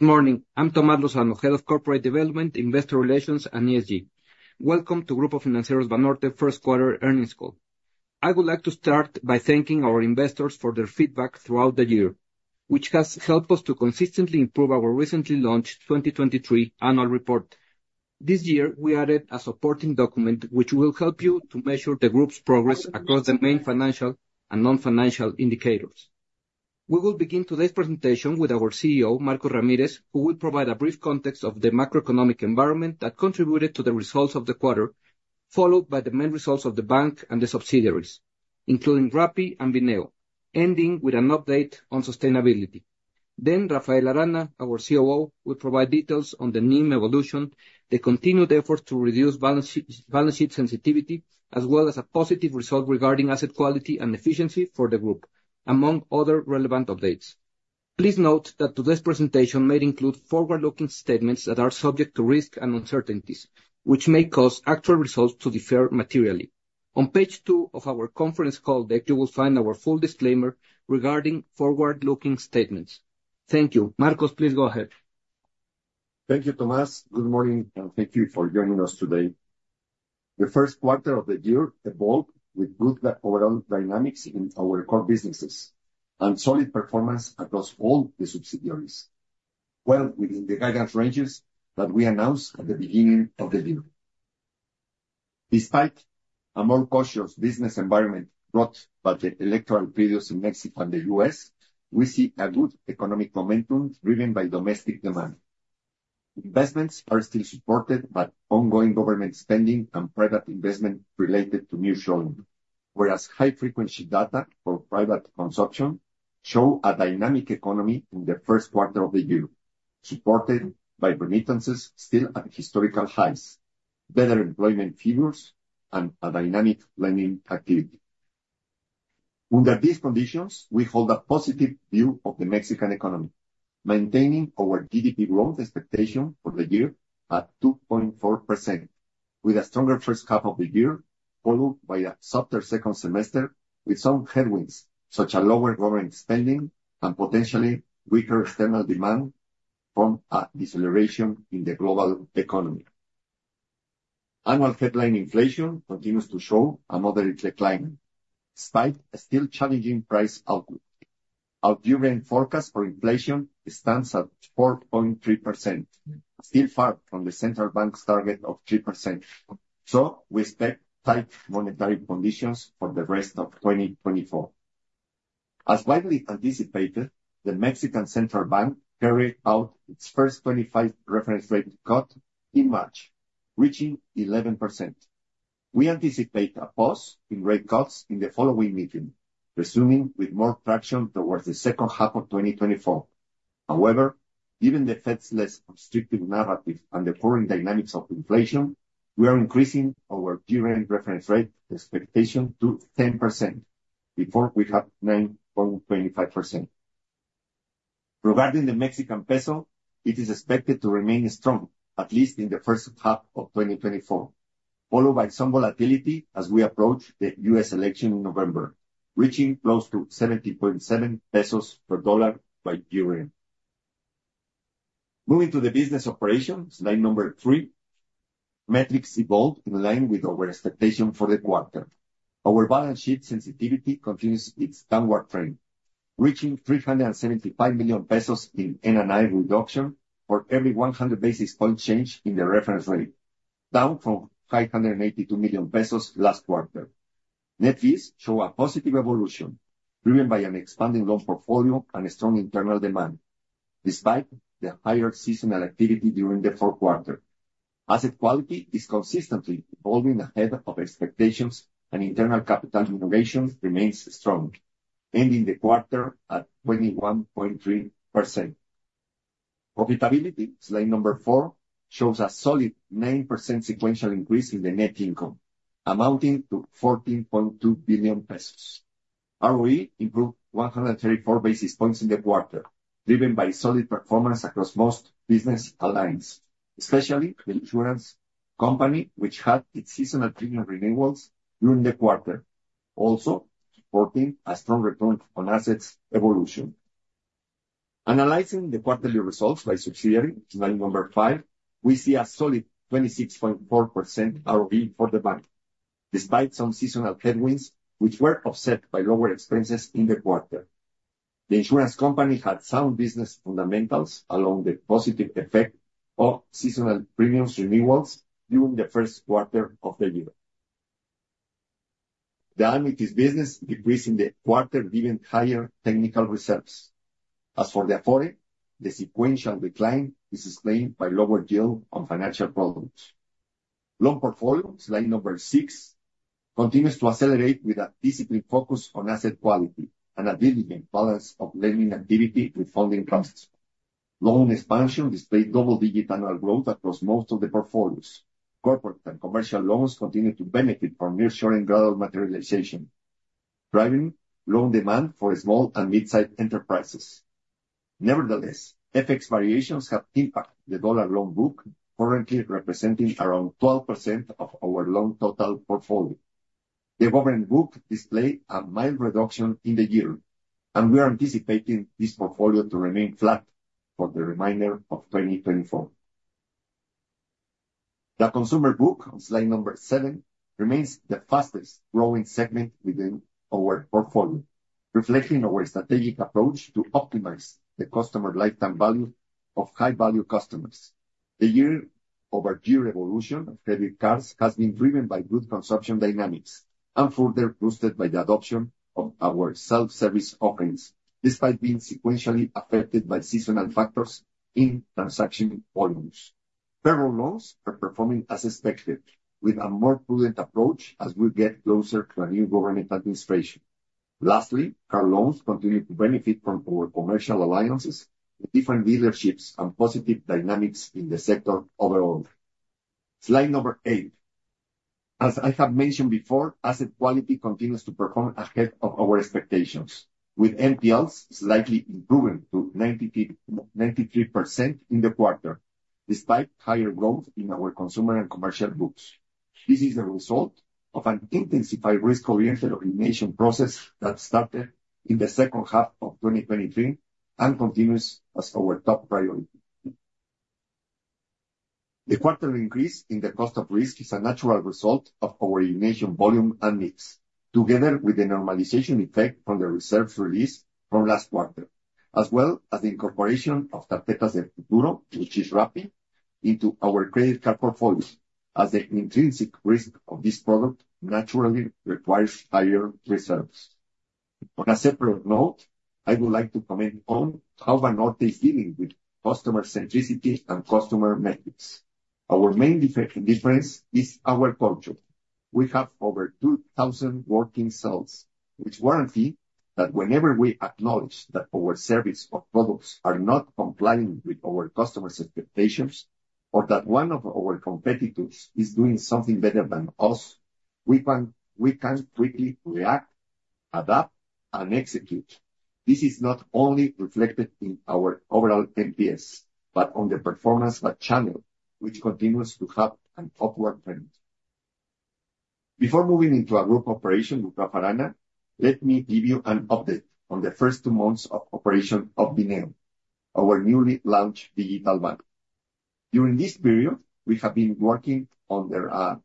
Good morning, I'm Tomás Lozano, Head of Corporate Development, Investor Relations, and ESG. Welcome to Grupo Financiero Banorte First Quarter Earnings Call. I would like to start by thanking our investors for their feedback throughout the year, which has helped us to consistently improve our recently launched 2023 Annual Report. This year we added a supporting document which will help you to measure the group's progress across the main financial and non-financial indicators. We will begin today's presentation with our CEO, Marcos Ramírez, who will provide a brief context of the macroeconomic environment that contributed to the results of the quarter, followed by the main results of the bank and the subsidiaries, including Rappi and Bineo, ending with an update on sustainability. Rafael Arana, our COO, will provide details on the NIM evolution, the continued efforts to reduce balance sheet sensitivity, as well as a positive result regarding asset quality and efficiency for the group, among other relevant updates. Please note that today's presentation may include forward-looking statements that are subject to risk and uncertainties, which may cause actual results to differ materially. On page 2 of our conference call deck you will find our full disclaimer regarding forward-looking statements. Thank you, Marcos, please go ahead. Thank you, Tomás. Good morning, and thank you for joining us today. The first quarter of the year evolved with good overall dynamics in our core businesses and solid performance across all the subsidiaries, well within the guidance ranges that we announced at the beginning of the year. Despite a more cautious business environment brought by the electoral periods in Mexico and the U.S., we see a good economic momentum driven by domestic demand. Investments are still supported by ongoing government spending and private investment related to nearshoring, whereas high-frequency data for private consumption show a dynamic economy in the first quarter of the year, supported by remittances still at historical highs, better employment figures, and a dynamic lending activity. Under these conditions, we hold a positive view of the Mexican economy, maintaining our GDP growth expectation for the year at 2.4%, with a stronger first half of the year followed by a softer second semester with some headwinds, such as lower government spending and potentially weaker external demand from a deceleration in the global economy. Annual headline inflation continues to show a moderate decline, despite still challenging price outlook. Our year-end forecast for inflation stands at 4.3%, still far from the central bank's target of 3%, so we expect tight monetary conditions for the rest of 2024. As widely anticipated, the Mexican Central Bank carried out its first 25 basis point reference rate cut in March, reaching 11%. We anticipate a pause in rate cuts in the following meeting, resuming with more traction towards the second half of 2024. However, given the Fed's less restrictive narrative and the cooling dynamics of inflation, we are increasing our year-end reference rate expectation to 10% from 9.25%. Regarding the Mexican peso, it is expected to remain strong, at least in the first half of 2024, followed by some volatility as we approach the U.S. election in November, reaching close to 17.7 pesos per dollar by year-end. Moving to the business operations, Slide 3, metrics evolved in line with our expectation for the quarter. Our balance sheet sensitivity continues its downward trend, reaching 375 million pesos in NII reduction for every 100 basis point change in the reference rate, down from 582 million pesos last quarter. Net fees show a positive evolution, driven by an expanding loan portfolio and strong internal demand, despite the higher seasonal activity during the fourth quarter. Asset quality is consistently evolving ahead of expectations, and internal capital generation remains strong, ending the quarter at 21.3%. Profitability, slide 4, shows a solid 9% sequential increase in the net income, amounting to 14.2 billion pesos. ROE improved 134 basis points in the quarter, driven by solid performance across most business lines, especially the insurance company, which had its seasonal premium renewals during the quarter, also supporting a strong return on assets evolution. Analyzing the quarterly results by subsidiary, slide 5, we see a solid 26.4% ROE for the bank, despite some seasonal headwinds, which were offset by lower expenses in the quarter. The insurance company had sound business fundamentals along the positive effect of seasonal premium renewals during the first quarter of the year. The Afore business decreased in the quarter given higher technical reserves. As for the Afore, the sequential decline is explained by lower yield on financial products. Loan portfolio, slide number 6, continues to accelerate with a disciplined focus on asset quality and a diligent balance of lending activity with funding trusts. Loan expansion displayed double-digit annual growth across most of the portfolios. Corporate and commercial loans continue to benefit from nearshoring gradual materialization, driving loan demand for small and mid-sized enterprises. Nevertheless, FX variations have impacted the dollar loan book, currently representing around 12% of our loan total portfolio. The government book displayed a mild reduction in the year, and we are anticipating this portfolio to remain flat for the remainder of 2024. The consumer book, slide number 7, remains the fastest-growing segment within our portfolio, reflecting our strategic approach to optimize the customer lifetime value of high-value customers. The year-over-year evolution of credit cards has been driven by good consumption dynamics, and further boosted by the adoption of our self-service offerings, despite being sequentially affected by seasonal factors in transaction volumes. Federal loans are performing as expected, with a more prudent approach as we get closer to a new government administration. Lastly, car loans continue to benefit from our commercial alliances, different dealerships, and positive dynamics in the sector overall. Slide number 8. As I have mentioned before, asset quality continues to perform ahead of our expectations, with NPLs slightly improving to 93% in the quarter, despite higher growth in our consumer and commercial books. This is the result of an intensified risk-oriented underwriting process that started in the second half of 2023 and continues as our top priority. The quarterly increase in the cost of risk is a natural result of our origination volume and mix, together with the normalization effect from the reserves released from last quarter, as well as the incorporation of Tarjetas del Futuro, which is Rappi, into our credit card portfolio, as the intrinsic risk of this product naturally requires higher reserves. On a separate note, I would like to comment on how Banorte is dealing with customer centricity and customer metrics. Our main difference is our culture. We have over 2,000 working cells, which guarantee that whenever we acknowledge that our service or products are not complying with our customers' expectations, or that one of our competitors is doing something better than us, we can quickly react, adapt, and execute. This is not only reflected in our overall NPS, but on the performance channel, which continues to have an upward trend. Before moving into our group operation, Rafael Arana, let me give you an update on the first two months of operation of Bineo, our newly launched digital bank. During this period, we have been working under a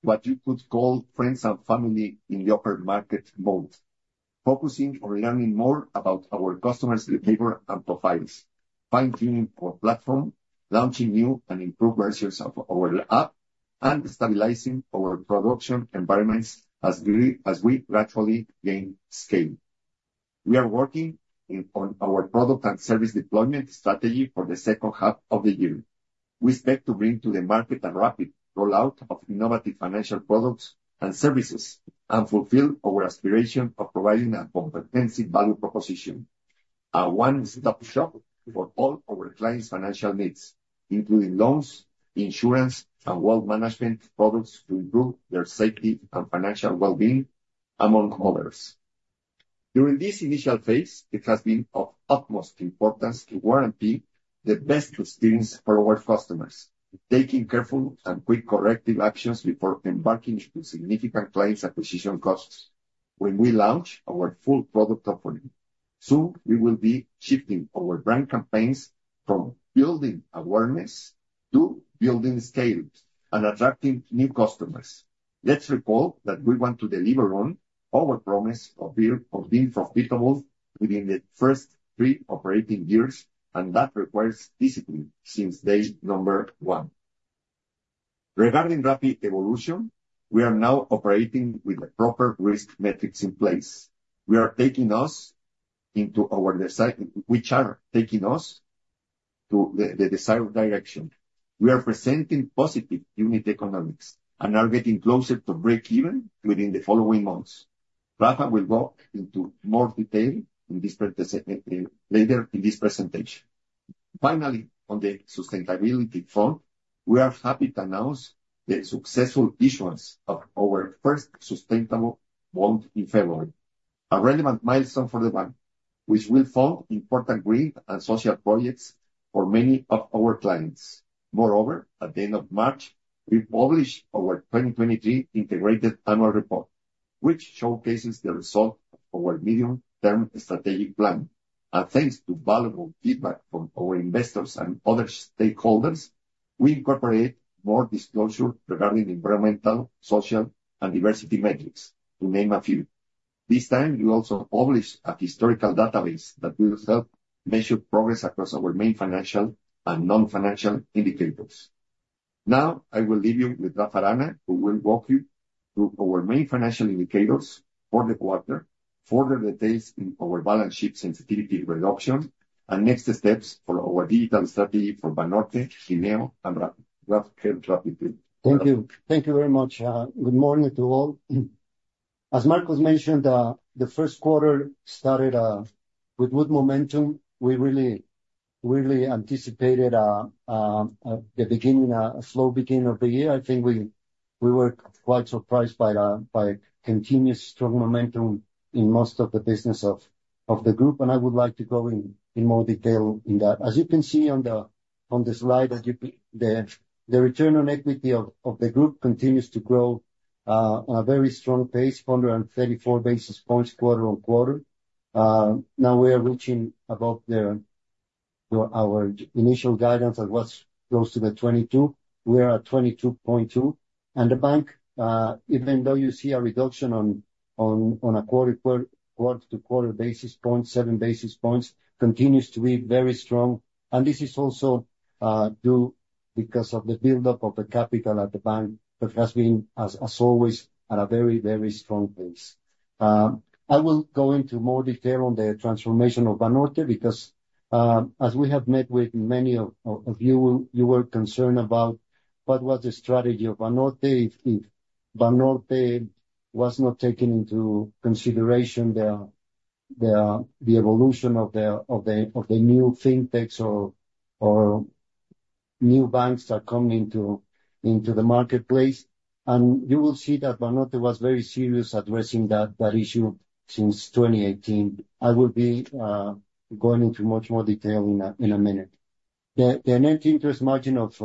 what you could call friends and family in the open market mode, focusing on learning more about our customers' behavior and profiles, fine-tuning our platform, launching new and improved versions of our app, and stabilizing our production environments as we gradually gain scale. We are working on our product and service deployment strategy for the second half of the year. We expect to bring to the market a rapid rollout of innovative financial products and services, and fulfill our aspiration of providing a comprehensive value proposition, a one-stop shop for all our clients' financial needs, including loans, insurance, and wealth management products to improve their safety and financial well-being, among others. During this initial phase, it has been of utmost importance to guarantee the best experience for our customers, taking careful and quick corrective actions before embarking on significant clients' acquisition costs when we launch our full product offering. Soon, we will be shifting our brand campaigns from building awareness to building scale and attracting new customers. Let's recall that we want to deliver on our promise of being profitable within the first three operating years, and that requires discipline since day number one. Regarding Rappi evolution, we are now operating with the proper risk metrics in place. We are taking us into our desire, which are taking us to the desired direction. We are presenting positive unit economics and are getting closer to break even within the following months. Rafael will go into more detail later in this presentation. Finally, on the sustainability front, we are happy to announce the successful issuance of our first sustainable bond in February, a relevant milestone for the bank, which will fund important green and social projects for many of our clients. Moreover, at the end of March, we published our 2023 integrated annual report, which showcases the result of our medium-term strategic plan. Thanks to valuable feedback from our investors and other stakeholders, we incorporate more disclosure regarding environmental, social, and diversity metrics, to name a few. This time, we also published a historical database that will help measure progress across our main financial and non-financial indicators. Now, I will leave you with Rafael Arana, who will walk you through our main financial indicators for the quarter, further details in our balance sheet sensitivity reduction, and next steps for our digital strategy for Banorte, Bineo, and Rappi. Thank you. Thank you very much. Good morning to all. As Marcos mentioned, the first quarter started with good momentum. We really anticipated the beginning, a slow beginning of the year. I think we were quite surprised by continuous strong momentum in most of the business of the group, and I would like to go in more detail in that. As you can see on the slide, the return on equity of the group continues to grow at a very strong pace, 434 basis points quarter-on-quarter. Now, we are reaching above our initial guidance that was close to the 22%. We are at 22.2%. And the bank, even though you see a reduction on a quarter-to-quarter basis point, 7 basis points, continues to be very strong. And this is also due because of the buildup of the capital at the bank that has been, as always, at a very, very strong pace. I will go into more detail on the transformation of Banorte because, as we have met with many of you, you were concerned about what was the strategy of Banorte, if Banorte was not taking into consideration the evolution of the new fintechs or new banks that are coming into the marketplace. And you will see that Banorte was very serious addressing that issue since 2018. I will be going into much more detail in a minute. The net interest margin of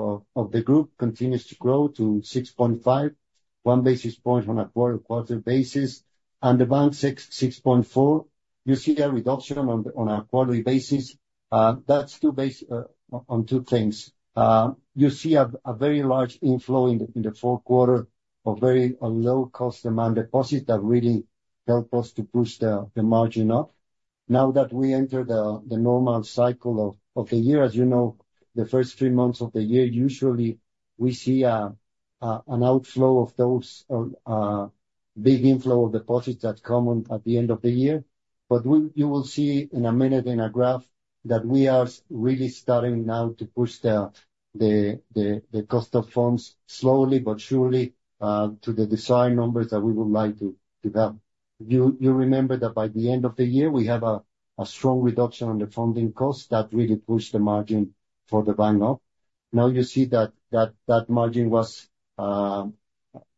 the group continues to grow to 6.5, one basis point on a quarter-to-quarter basis, and the bank 6.4. You see a reduction on a quarterly basis. That's due on two things. You see a very large inflow in the fourth quarter of very low-cost demand deposits that really helped us to push the margin up. Now that we enter the normal cycle of the year, as you know, the first three months of the year, usually we see an outflow of those big inflow of deposits that come at the end of the year. But you will see in a minute in a graph that we are really starting now to push the cost of funds slowly but surely to the desired numbers that we would like to have. You remember that by the end of the year, we have a strong reduction on the funding costs that really pushed the margin for the bank up. Now you see that that margin was, I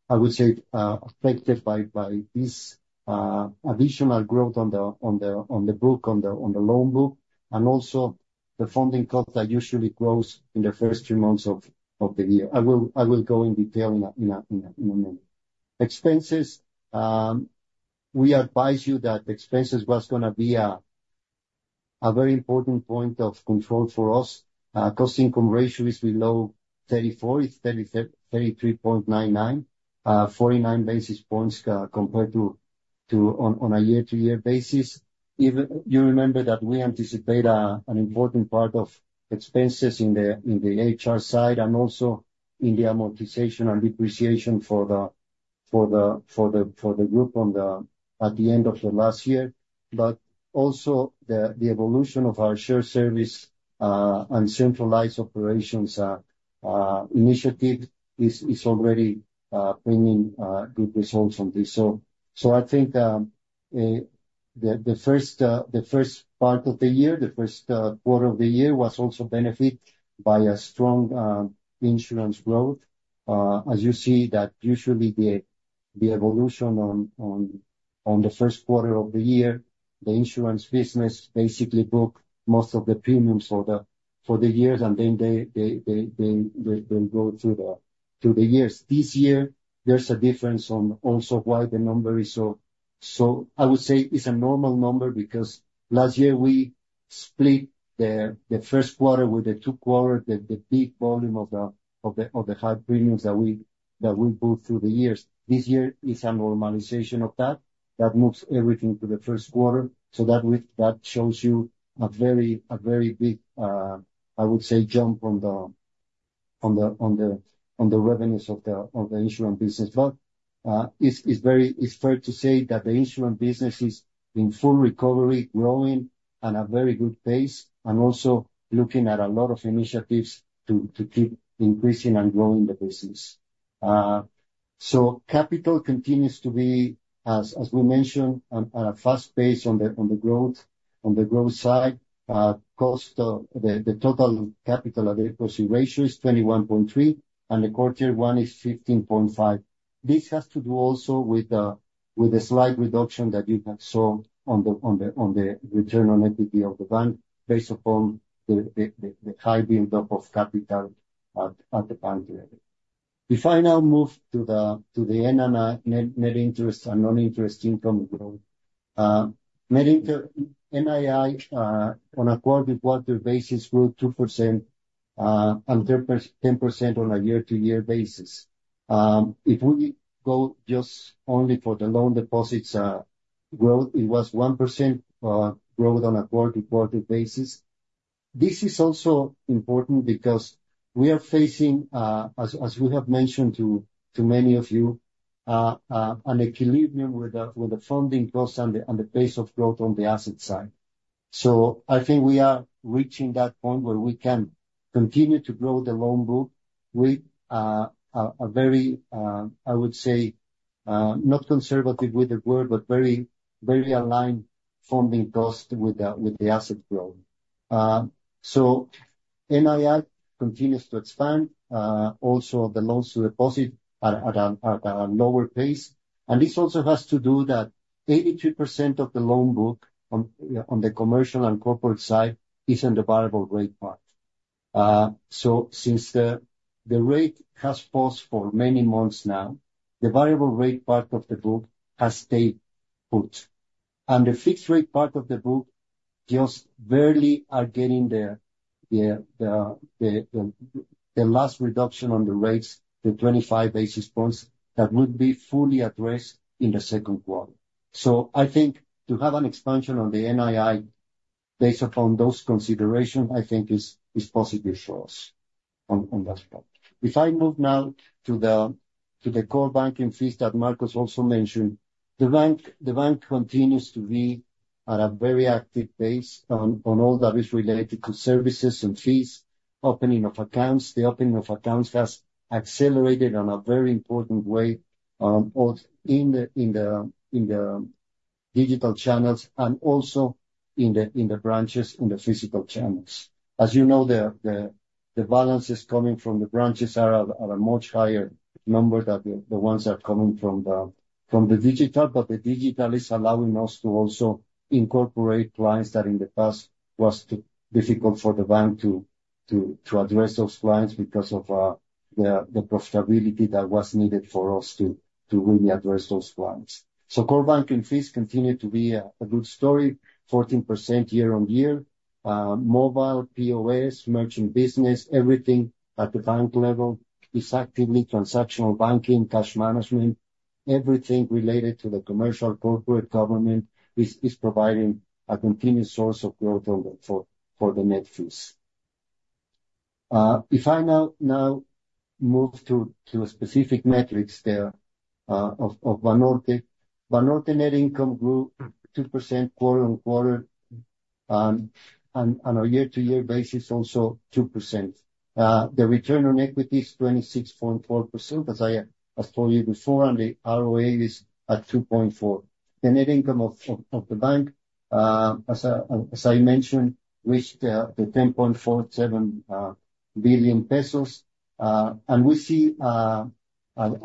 would say, affected by this additional growth on the book, on the loan book, and also the funding cost that usually grows in the first three months of the year. I will go in detail in a minute. Expenses. We advise you that expenses were going to be a very important point of control for us. Cost-income ratio is below 34, it's 33.99, 49 basis points compared to on a year-to-year basis. You remember that we anticipate an important part of expenses in the HR side and also in the amortization and depreciation for the group at the end of the last year. But also the evolution of our shared service and centralized operations initiative is already bringing good results on this. So, I think the first part of the year, the first quarter of the year, was also benefited by a strong insurance growth. As you see, that usually the evolution on the first quarter of the year, the insurance business basically booked most of the premiums for the years, and then they go through the years. This year, there's a difference on also why the number is so, I would say, it's a normal number because last year we split the first quarter with the two quarters, the big volume of the high premiums that we booked through the years. This year is a normalization of that. That moves everything to the first quarter. So that shows you a very big, I would say, jump on the revenues of the insurance business. It's fair to say that the insurance business is in full recovery, growing at a very good pace, and also looking at a lot of initiatives to keep increasing and growing the business. So capital continues to be, as we mentioned, at a fast pace on the growth side. The total capital ratio is 21.3%, and the Tier 1 is 15.5%. This has to do also with the slight reduction that you saw on the return on equity of the bank based upon the high buildup of capital at the bank. If I now move to the NII, net interest and non-interest income growth. NII, on a quarter-to-quarter basis, grew 2% and 10% on a year-to-year basis. If we go just only for the loan deposits growth, it was 1% growth on a quarter-to-quarter basis. This is also important because we are facing, as we have mentioned to many of you, an equilibrium with the funding costs and the pace of growth on the asset side. So I think we are reaching that point where we can continue to grow the loan book with a very, I would say, not conservative with the word, but very aligned funding cost with the asset growth. So NII continues to expand, also the loans to deposit at a lower pace. And this also has to do that 82% of the loan book on the commercial and corporate side is in the variable rate part. So since the rate has paused for many months now, the variable rate part of the book has stayed put. The fixed rate part of the book just barely is getting the last reduction on the rates, the 25 basis points that would be fully addressed in the second quarter. I think to have an expansion on the NII based upon those considerations, I think, is positive for us on that front. If I move now to the core banking fees that Marcos also mentioned, the bank continues to be at a very active pace on all that is related to services and fees, opening of accounts. The opening of accounts has accelerated in a very important way in the digital channels and also in the branches in the physical channels. As you know, the balances coming from the branches are a much higher number than the ones that are coming from the digital, but the digital is allowing us to also incorporate clients that in the past was difficult for the bank to address those clients because of the profitability that was needed for us to really address those clients. So core banking fees continue to be a good story, 14% year-on-year. Mobile, POS, merchant business, everything at the bank level is actively transactional banking, cash management, everything related to the commercial, corporate, government is providing a continuous source of growth for the net fees. If I now move to specific metrics there of Banorte, Banorte net income grew 2% quarter-on-quarter and on a year-on-year basis also 2%. The return on equity is 26.4% as I told you before, and the ROA is at 2.4. The net income of the bank, as I mentioned, reached 10.47 billion pesos. We see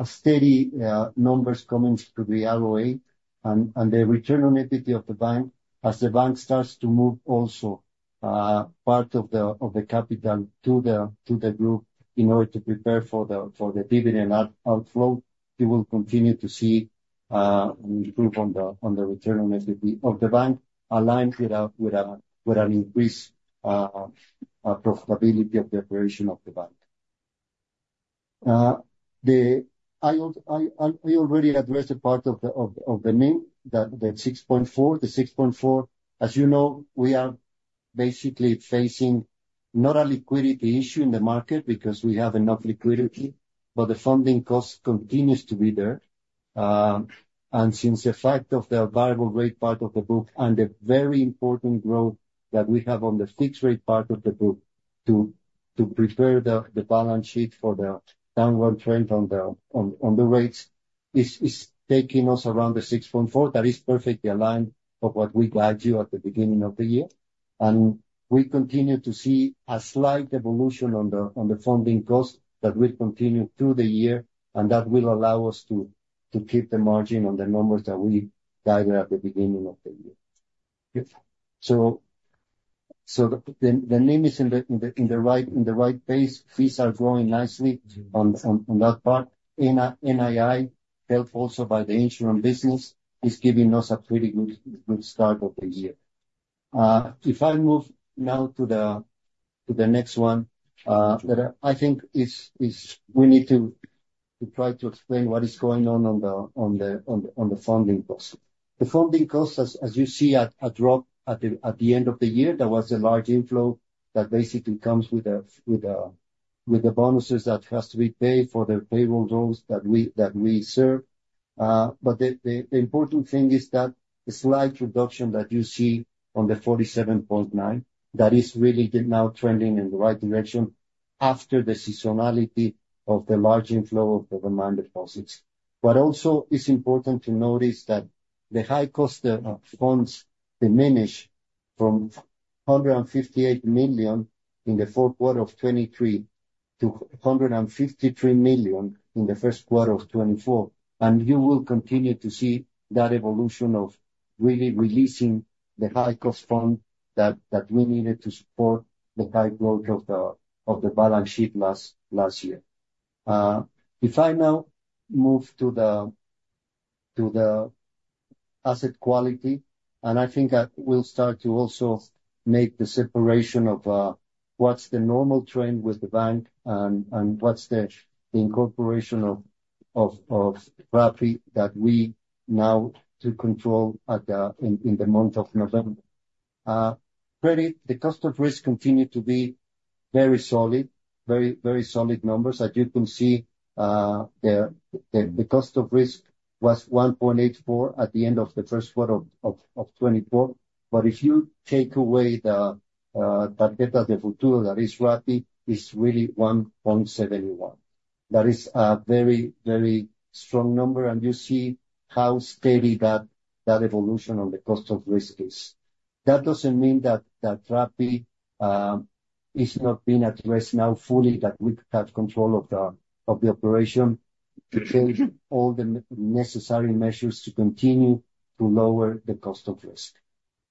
steady numbers coming to the ROA, and the return on equity of the bank, as the bank starts to move also part of the capital to the group in order to prepare for the dividend outflow, you will continue to see an improvement on the return on equity of the bank aligned with an increased profitability of the operation of the bank. I already addressed a part of the NIM, the 6.4. The 6.4, as you know, we are basically facing not a liquidity issue in the market because we have enough liquidity, but the funding cost continues to be there. Given the fact of the variable rate part of the book and the very important growth that we have on the fixed rate part of the book to prepare the balance sheet for the downward trend on the rates is taking us around the 6.4% that is perfectly aligned with what we guided you at the beginning of the year. We continue to see a slight evolution on the funding costs that will continue through the year, and that will allow us to keep the margin on the numbers that we guided at the beginning of the year. The NIM is in the right pace. Fees are growing nicely on that part. NII, helped also by the insurance business, is giving us a pretty good start of the year. If I move now to the next one that I think we need to try to explain what is going on on the funding cost. The funding cost, as you see, dropped at the end of the year. There was a large inflow that basically comes with the bonuses that has to be paid for the payroll loans that we serve. But the important thing is that the slight reduction that you see on the 47.9%, that is really now trending in the right direction after the seasonality of the large inflow of the demand deposits. But also it's important to notice that the high-cost funds diminished from 158 million in the fourth quarter of 2023 to 153 million in the first quarter of 2024. You will continue to see that evolution of really releasing the high-cost fund that we needed to support the high growth of the balance sheet last year. If I now move to the asset quality, and I think we'll start to also make the separation of what's the normal trend with the bank and what's the incorporation of Rappi that we now control in the month of November. Credit, the cost of risk continued to be very solid, very solid numbers. As you can see, the cost of risk was 1.84 at the end of the first quarter of 2024. But if you take away Tarjetas del Futuro that is Rappi, it's really 1.71. That is a very, very strong number, and you see how steady that evolution on the cost of risk is. That doesn't mean that Rappi is not being addressed now fully, that we have control of the operation, to take all the necessary measures to continue to lower the cost of risk.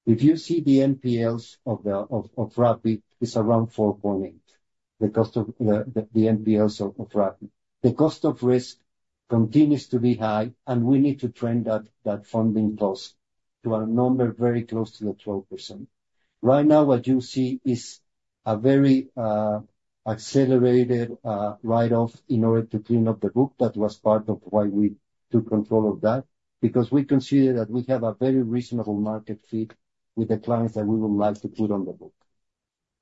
If you see the NPLs of Rappi, it's around 4.8, the NPLs of Rappi. The cost of risk continues to be high, and we need to trend that funding cost to a number very close to the 12%. Right now, what you see is a very accelerated write-off in order to clean up the book. That was part of why we took control of that because we consider that we have a very reasonable market fit with the clients that we would like to put on the book.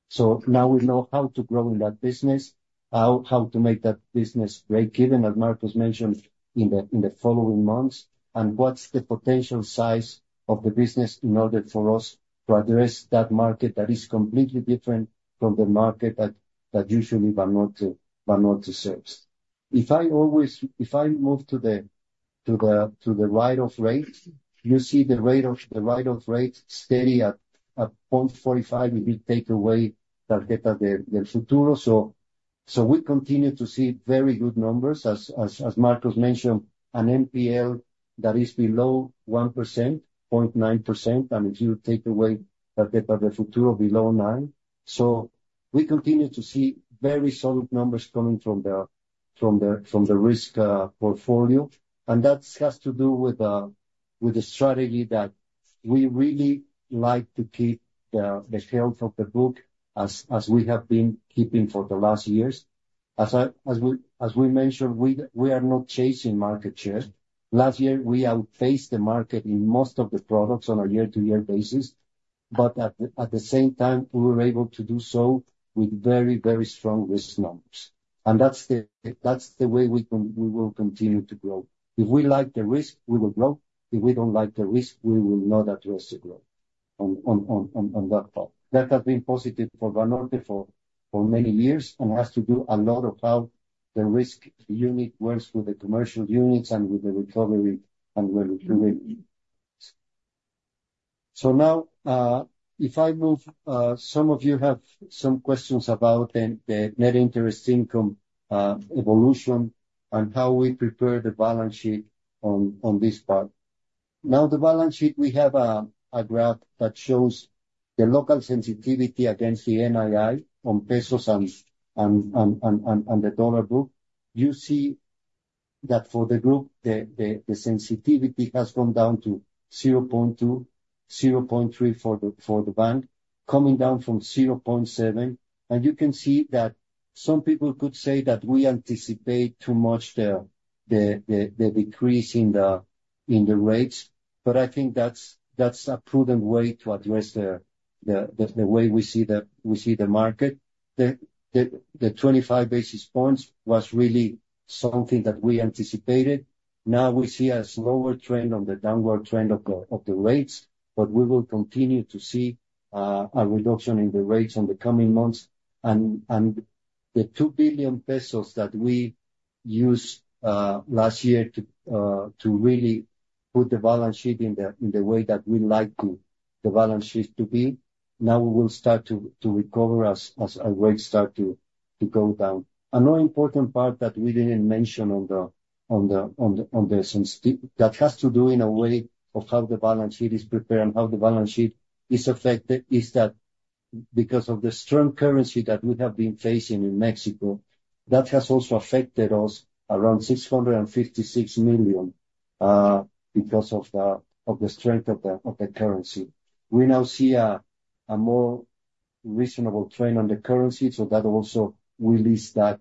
So now we know how to grow in that business, how to make that business break-even, as Marcos mentioned, in the following months, and what's the potential size of the business in order for us to address that market that is completely different from the market that usually Banorte serves. If I also move to the write-off rate, you see the write-off rate steady at 0.45% if you take away Tarjetas del Futuro. So we continue to see very good numbers, as Marcos mentioned, an NPL that is below 1%, 0.9%, and if you take away Tarjetas del Futuro below 0.9%. So we continue to see very solid numbers coming from the risk portfolio. And that has to do with the strategy that we really like to keep the health of the book as we have been keeping for the last years. As we mentioned, we are not chasing market share. Last year, we outpaced the market in most of the products on a year-to-year basis. But at the same time, we were able to do so with very, very strong risk numbers. And that's the way we will continue to grow. If we like the risk, we will grow. If we don't like the risk, we will not address the growth on that part. That has been positive for Banorte for many years and has to do a lot of how the risk unit works with the commercial units and with the recovery and where we're doing this. So now, if I move, some of you have some questions about the net interest income evolution and how we prepare the balance sheet on this part. Now, the balance sheet, we have a graph that shows the local sensitivity against the NII on pesos and the dollar book. You see that for the group, the sensitivity has gone down to 0.2, 0.3 for the bank, coming down from 0.7. And you can see that some people could say that we anticipate too much the decrease in the rates. But I think that's a prudent way to address the way we see the market. The 25 basis points was really something that we anticipated. Now, we see a slower trend on the downward trend of the rates, but we will continue to see a reduction in the rates in the coming months. The 2 billion pesos that we used last year to really put the balance sheet in the way that we like the balance sheet to be, now we will start to recover as rates start to go down. Another important part that we didn't mention on the call that has to do in a way of how the balance sheet is prepared and how the balance sheet is affected is that because of the strong currency that we have been facing in Mexico, that has also affected us around 656 million because of the strength of the currency. We now see a more reasonable trend on the currency, so that also releases that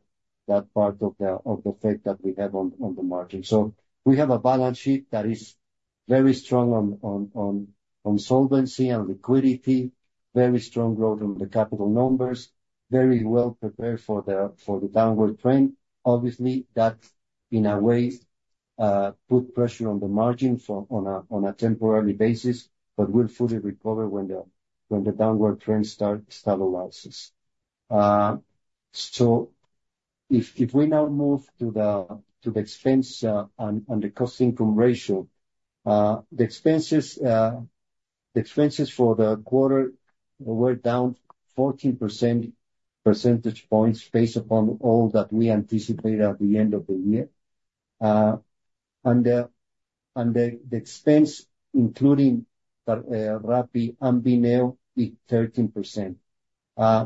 part of the fact that we have on the margin. So we have a balance sheet that is very strong on solvency and liquidity, very strong growth on the capital numbers, very well prepared for the downward trend. Obviously, that, in a way, puts pressure on the margin on a temporary basis, but will fully recover when the downward trend stabilizes. So if we now move to the expense and the cost-income ratio, the expenses for the quarter were down 14 percentage points based upon all that we anticipated at the end of the year. And the expense, including Rappi and Bineo, is 13%.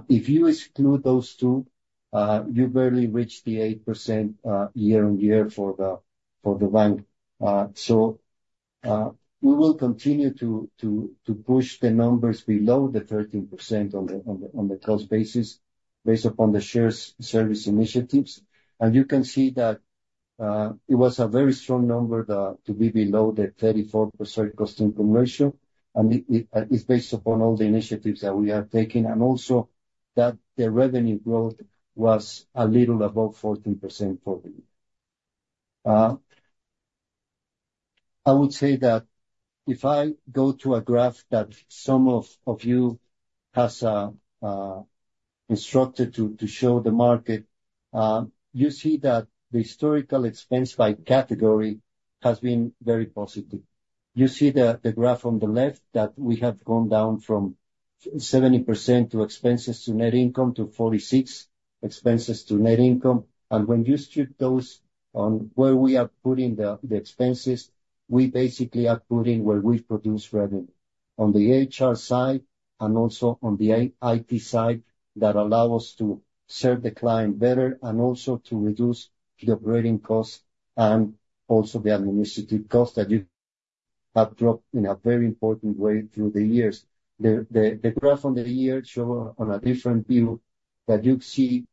If you exclude those two, you barely reach the 8% year-on-year for the bank. So we will continue to push the numbers below the 13% on the cost basis based upon the shared services initiatives. You can see that it was a very strong number to be below the 34% cost-income ratio. It's based upon all the initiatives that we are taking and also that the revenue growth was a little above 14% for the year. I would say that if I go to a graph that some of you have instructed to show the market, you see that the historical expenses by category has been very positive. You see the graph on the left that we have gone down from 70% expenses-to-net-income to 46% expenses-to-net-income. And when you strip those on where we are putting the expenses, we basically are putting where we produce revenue on the HR side and also on the IT side that allow us to serve the client better and also to reduce the operating costs and also the administrative costs that have dropped in a very important way through the years. The graph on the year shows on a different view that you see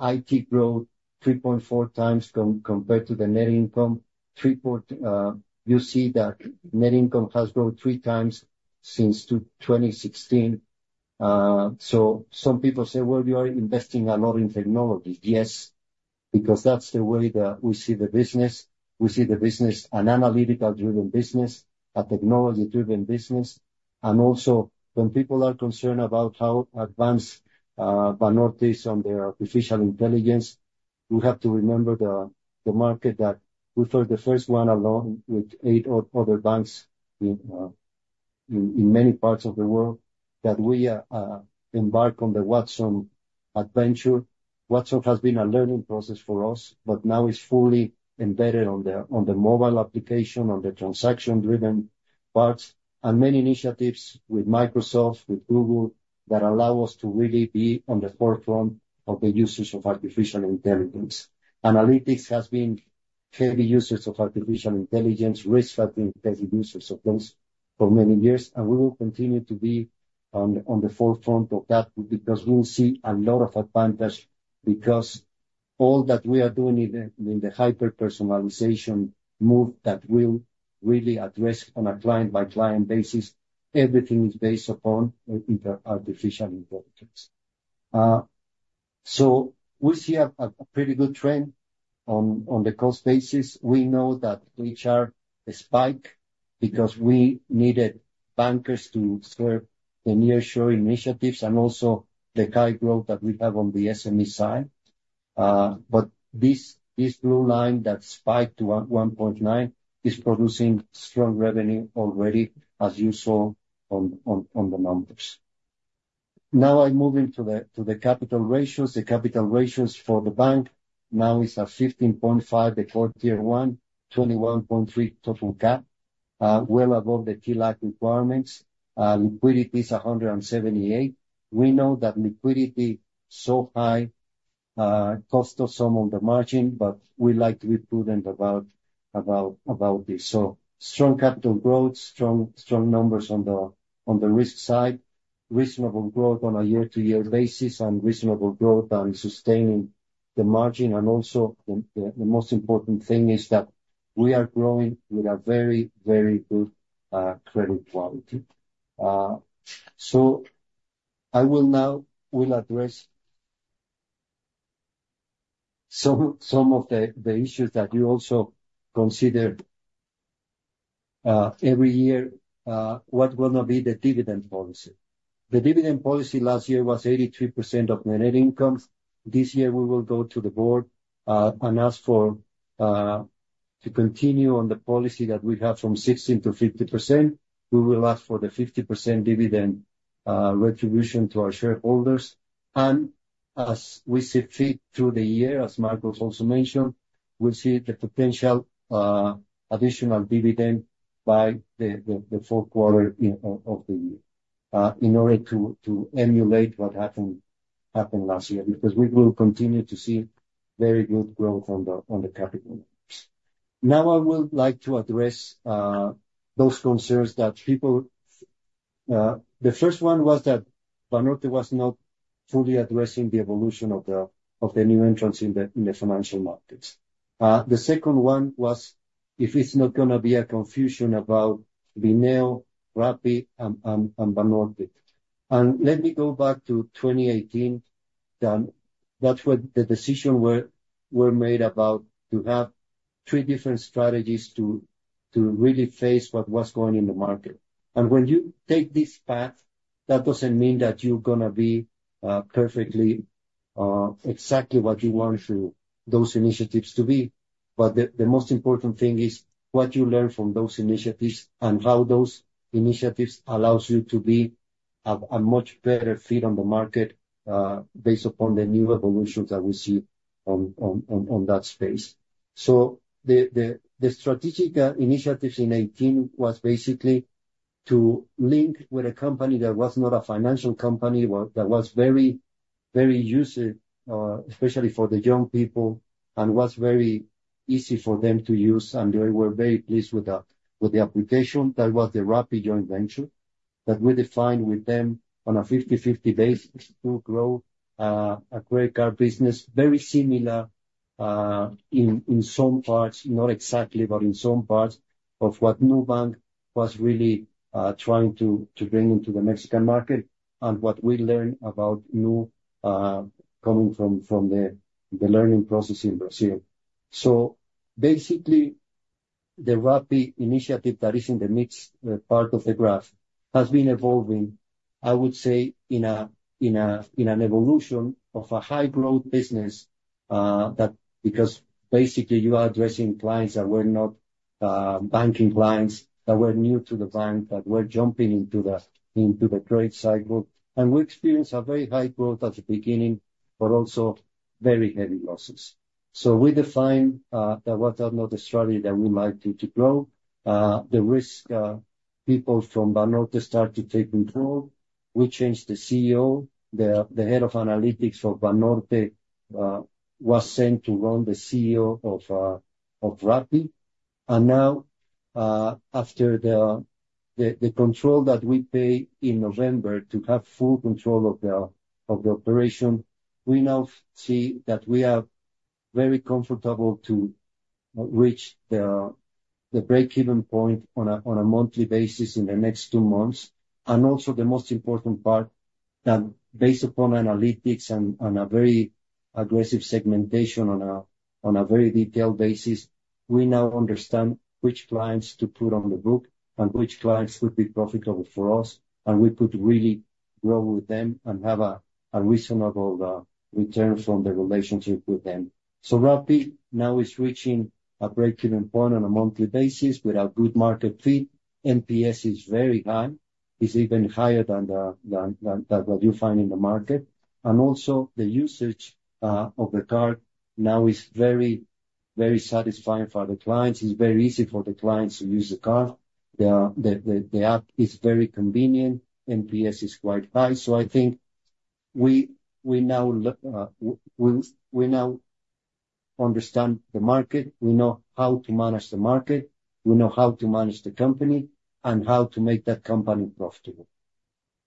IT growth 3.4 times compared to the net income. You see that net income has grown 3 times since 2016. So some people say, "Well, you are investing a lot in technology." Yes, because that's the way that we see the business. We see the business an analytical-driven business, a technology-driven business. Also, when people are concerned about how advanced Banorte is on their artificial intelligence, we have to remember the market that we're the first one alone with eight other banks in many parts of the world that we embark on the Watson adventure. Watson has been a learning process for us, but now it's fully embedded on the mobile application, on the transaction-driven parts, and many initiatives with Microsoft, with Google that allow us to really be on the forefront of the usage of artificial intelligence. Analytics has been heavy users of artificial intelligence, risk-adapting heavy users of those for many years. And we will continue to be on the forefront of that because we'll see a lot of advantage because all that we are doing in the hyper-personalization move that will really address on a client-by-client basis, everything is based upon artificial intelligence. So we see a pretty good trend on the cost basis. We know that HR spiked because we needed bankers to serve the nearshore initiatives and also the high growth that we have on the SME side. But this blue line that spiked to 1.9 is producing strong revenue already, as you saw on the numbers. Now, I'm moving to the capital ratios. The capital ratios for the bank now is at 15.5, the Tier 1, 21.3 total cap, well above the TLAC requirements. Liquidity is 178. We know that liquidity so high costs us some of the margin, but we like to be prudent about this. So strong capital growth, strong numbers on the risk side, reasonable growth on a year-to-year basis, and reasonable growth on sustaining the margin. And also the most important thing is that we are growing with a very, very good credit quality. So I will now address some of the issues that you also consider every year, what will not be the dividend policy. The dividend policy last year was 83% of the net income. This year, we will go to the board and ask to continue on the policy that we have from 16%-50%. We will ask for the 50% dividend retribution to our shareholders. And as we see fit through the year, as Marcos also mentioned, we'll see the potential additional dividend by the fourth quarter of the year in order to emulate what happened last year because we will continue to see very good growth on the capital numbers. Now, I would like to address those concerns that people the first one was that Banorte was not fully addressing the evolution of the new entrants in the financial markets. The second one was if it's not going to be a confusion about Bineo, Rappi, and Banorte. And let me go back to 2018. That's when the decisions were made about to have three different strategies to really face what was going on in the market. And when you take this path, that doesn't mean that you're going to be perfectly exactly what you want those initiatives to be. But the most important thing is what you learn from those initiatives and how those initiatives allow you to be a much better fit on the market based upon the new evolutions that we see on that space. So the strategic initiatives in 2018 was basically to link with a company that was not a financial company, that was very useful, especially for the young people, and was very easy for them to use. They were very pleased with the application. That was the Rappi joint venture that we defined with them on a 50/50 basis to grow a credit card business very similar in some parts, not exactly, but in some parts of what Nubank was really trying to bring into the Mexican market and what we learned about Nubank coming from the learning process in Brazil. So basically, the Rappi initiative that is in the mid part of the graph has been evolving, I would say, in an evolution of a high-growth business because basically, you are addressing clients that were not banking clients, that were new to the bank, that were jumping into the trade cycle. And we experienced a very high growth at the beginning, but also very heavy losses. So we defined that was not the strategy that we like to grow. The risk people from Banorte started to take control. We changed the CEO. The head of analytics for Banorte was sent to run the CEO of Rappi. And now, after the control that we pay in November to have full control of the operation, we now see that we are very comfortable to reach the break-even point on a monthly basis in the next two months. And also the most important part, that based upon analytics and a very aggressive segmentation on a very detailed basis, we now understand which clients to put on the book and which clients could be profitable for us. And we could really grow with them and have a reasonable return from the relationship with them. So Rappi now is reaching a break-even point on a monthly basis with a good market fit. NPS is very high. It's even higher than what you find in the market. And also, the usage of the card now is very, very satisfying for the clients. It's very easy for the clients to use the card. The app is very convenient. NPS is quite high. So I think we now understand the market. We know how to manage the market. We know how to manage the company and how to make that company profitable.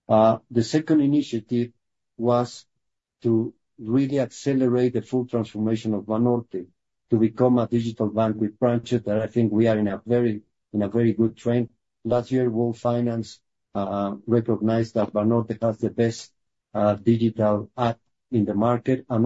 The second initiative was to really accelerate the full transformation of Banorte to become a digital bank with branches that I think we are in a very good trend. Last year, World Finance recognized that Banorte has the best digital app in the market and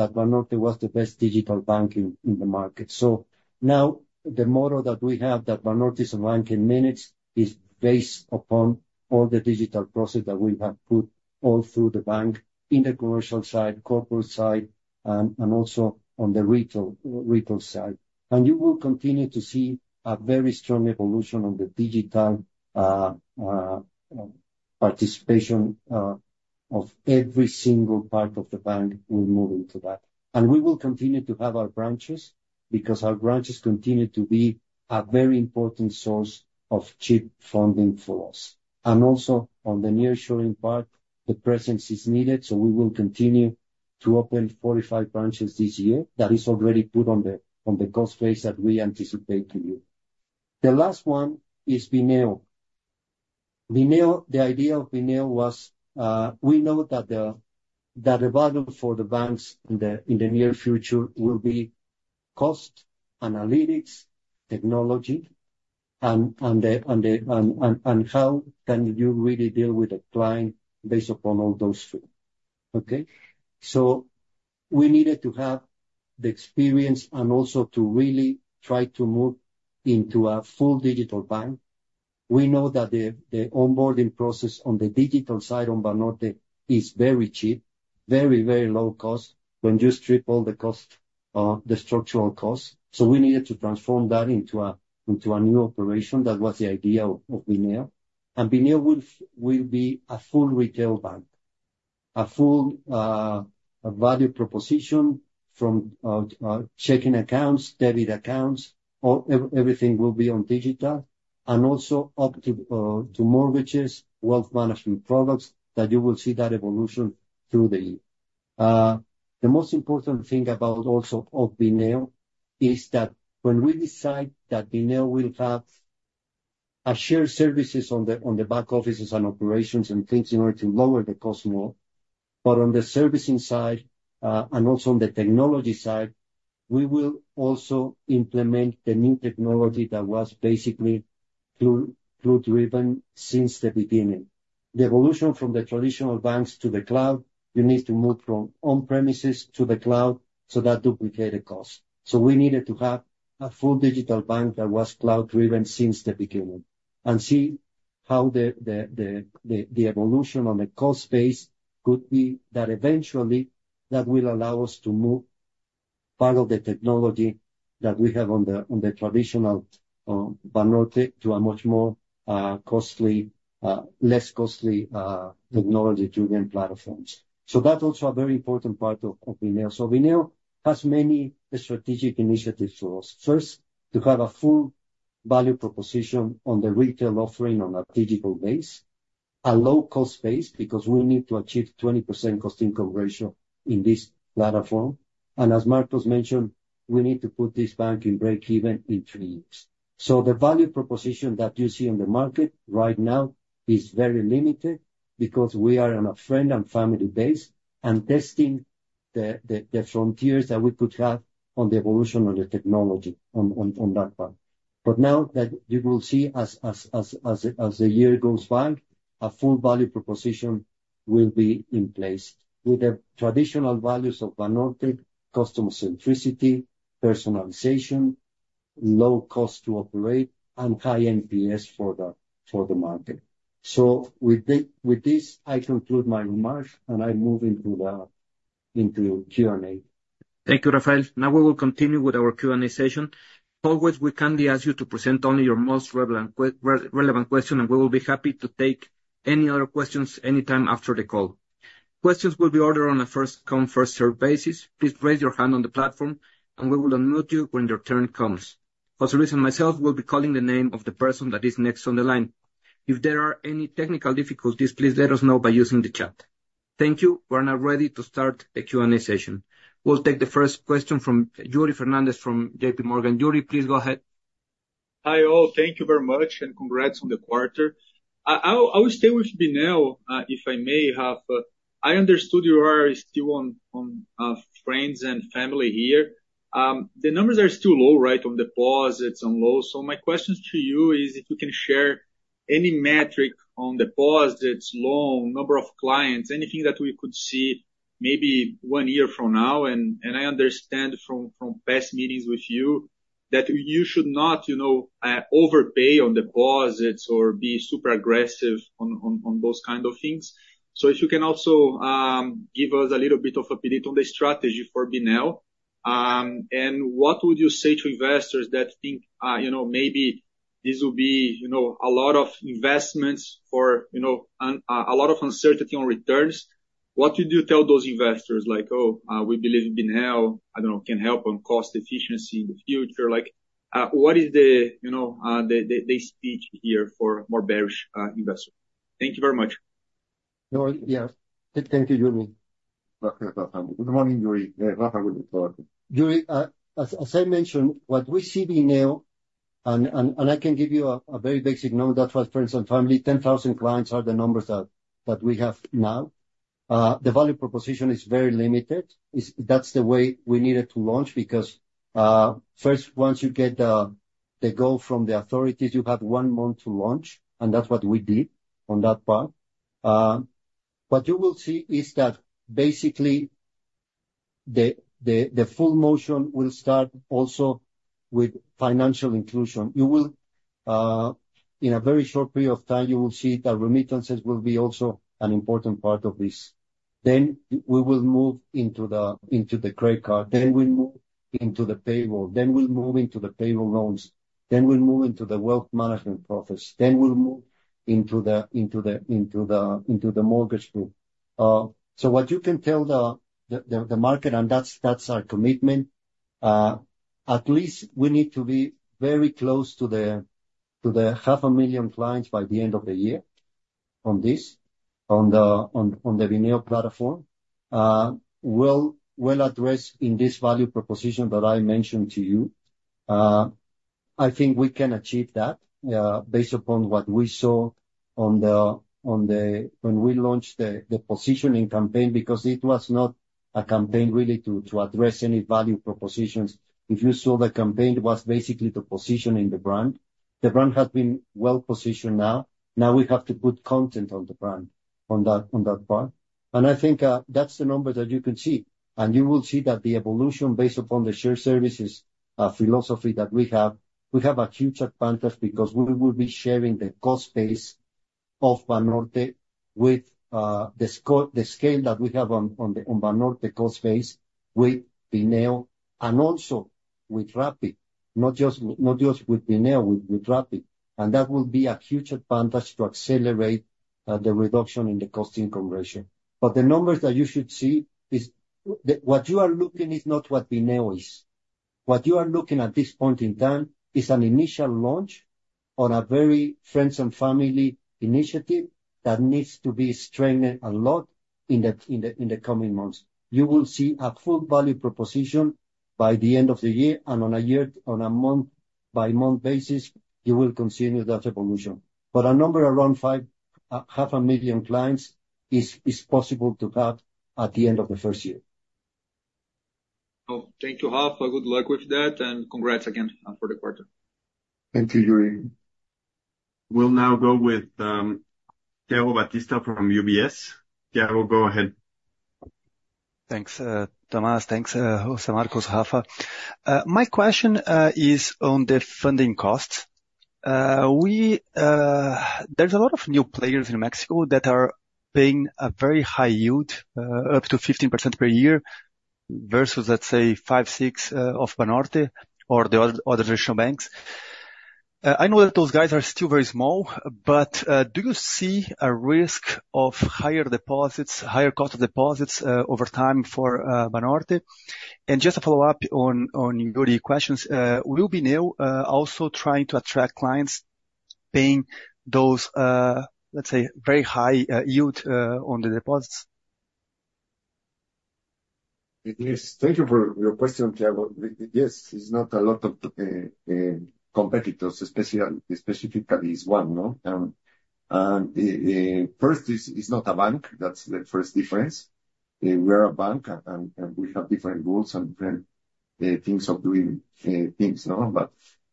also that Banorte was the best digital bank in the market. So now, the model that we have that Banorte is a bank in minutes is based upon all the digital process that we have put all through the bank in the commercial side, corporate side, and also on the retail side. You will continue to see a very strong evolution on the digital participation of every single part of the bank will move into that. We will continue to have our branches because our branches continue to be a very important source of cheap funding for us. Also on the nearshoring part, the presence is needed. So we will continue to open 45 branches this year that is already put on the cost base that we anticipate to do. The last one is Bineo. The idea of Bineo was we know that the value for the banks in the near future will be cost, analytics, technology, and how can you really deal with a client based upon all those three. Okay? We needed to have the experience and also to really try to move into a full digital bank. We know that the onboarding process on the digital side on Banorte is very cheap, very, very low cost when you strip all the structural costs. We needed to transform that into a new operation. That was the idea of Bineo. Bineo will be a full retail bank, a full value proposition from checking accounts, debit accounts. Everything will be on digital and also up to mortgages, wealth management products that you will see that evolution through the year. The most important thing about also of Bineo is that when we decide that Bineo will have shared services on the back offices and operations and things in order to lower the cost more, but on the servicing side and also on the technology side, we will also implement the new technology that was basically cloud-driven since the beginning. The evolution from the traditional banks to the cloud, you need to move from on-premises to the cloud so that duplicated costs. So we needed to have a full digital bank that was cloud-driven since the beginning and see how the evolution on the cost base could be that eventually that will allow us to move part of the technology that we have on the traditional Banorte to a much more less costly technology-driven platforms. So that's also a very important part of Bineo. So Bineo has many strategic initiatives for us. First, to have a full value proposition on the retail offering on a digital base, a low-cost base because we need to achieve 20% cost-income ratio in this platform. And as Marcos mentioned, we need to put this bank in break-even in three years. So the value proposition that you see on the market right now is very limited because we are on a friends and family base and testing the frontiers that we could have on the evolution on the technology on that part. But now that you will see as the year goes by, a full value proposition will be in place with the traditional values of Banorte, customer centricity, personalization, low cost to operate, and high NPS for the market. So with this, I conclude my remarks, and I move into Q&A. Thank you, Rafael. Now we will continue with our Q&A session. Always, we kindly ask you to present only your most relevant question, and we will be happy to take any other questions anytime after the call. Questions will be ordered on a first-come, first-served basis. Please raise your hand on the platform, and we will unmute you when your turn comes. José Luis and myself will be calling the name of the person that is next on the line. If there are any technical difficulties, please let us know by using the chat. Thank you. We're now ready to start the Q&A session. We'll take the first question from Yuri Fernandes from JPMorgan. Yuri, please go ahead. Hi all. Thank you very much and congrats on the quarter. I will stay with Bineo if I may have. I understood you are still on friends and family here. The numbers are still low, right, on deposits and loans. So my question to you is if you can share any metric on deposits, loan, number of clients, anything that we could see maybe one year from now. And I understand from past meetings with you that you should not overpay on deposits or be super aggressive on those kinds of things. So if you can also give us a little bit on it on the strategy for Bineo and what would you say to investors that think maybe this will be a lot of investments for a lot of uncertainty on returns, what would you tell those investors like, "Oh, we believe in Bineo. I don't know, can help on cost efficiency in the future? What is the speech here for more bearish investors? Thank you very much. Yeah. Thank you, Yuri. Good morning, Yuri. Yuri, as I mentioned, what we see in Bineo, and I can give you a very basic number, that's why friends and family, 10,000 clients are the numbers that we have now. The value proposition is very limited. That's the way we needed to launch because first, once you get the go from the authorities, you have one month to launch, and that's what we did on that part. What you will see is that basically, the full motion will start also with financial inclusion. In a very short period of time, you will see that remittances will be also an important part of this. Then we will move into the credit card. Then we'll move into the payroll. Then we'll move into the payroll loans. Then we'll move into the wealth management process. Then we'll move into the mortgage group. So what you can tell the market, and that's our commitment, at least we need to be very close to 500,000 clients by the end of the year on this, on the Bineo platform. We'll address in this value proposition that I mentioned to you. I think we can achieve that based upon what we saw when we launched the positioning campaign because it was not a campaign really to address any value propositions. If you saw the campaign, it was basically to positioning the brand. The brand has been well positioned now. Now we have to put content on the brand on that part. And I think that's the numbers that you can see. You will see that the evolution based upon the shared services philosophy that we have, we have a huge advantage because we will be sharing the cost base of Banorte with the scale that we have on Banorte, the cost base with Bineo and also with Rappi, not just with Bineo, with Rappi. And that will be a huge advantage to accelerate the reduction in the cost-income ratio. But the numbers that you should see is what you are looking is not what Bineo is. What you are looking at this point in time is an initial launch on a very friends and family initiative that needs to be strengthened a lot in the coming months. You will see a full value proposition by the end of the year. And on a month-by-month basis, you will continue that evolution. But a number around 500,000 clients is possible to have at the end of the first year. Thank you, Rafa. Good luck with that. Congrats again for the quarter. Thank you, Yuri. We'll now go with Thiago Batista from UBS. Thiago, go ahead. Thanks, Tomás. Thanks, José, Marcos, Rafa. My question is on the funding costs. There's a lot of new players in Mexico that are paying a very high yield, up to 15% per year versus, let's say, 5, 6 of Banorte or the other traditional banks. I know that those guys are still very small, but do you see a risk of higher cost of deposits over time for Banorte? And just to follow up on Yuri's questions, will Bineo also try to attract clients paying those, let's say, very high yield on the deposits? Yes. Thank you for your question, Thiago. Yes, it's not a lot of competitors, especially it's one, no? And first, it's not a bank. That's the first difference. We are a bank, and we have different rules and different things of doing things, no? But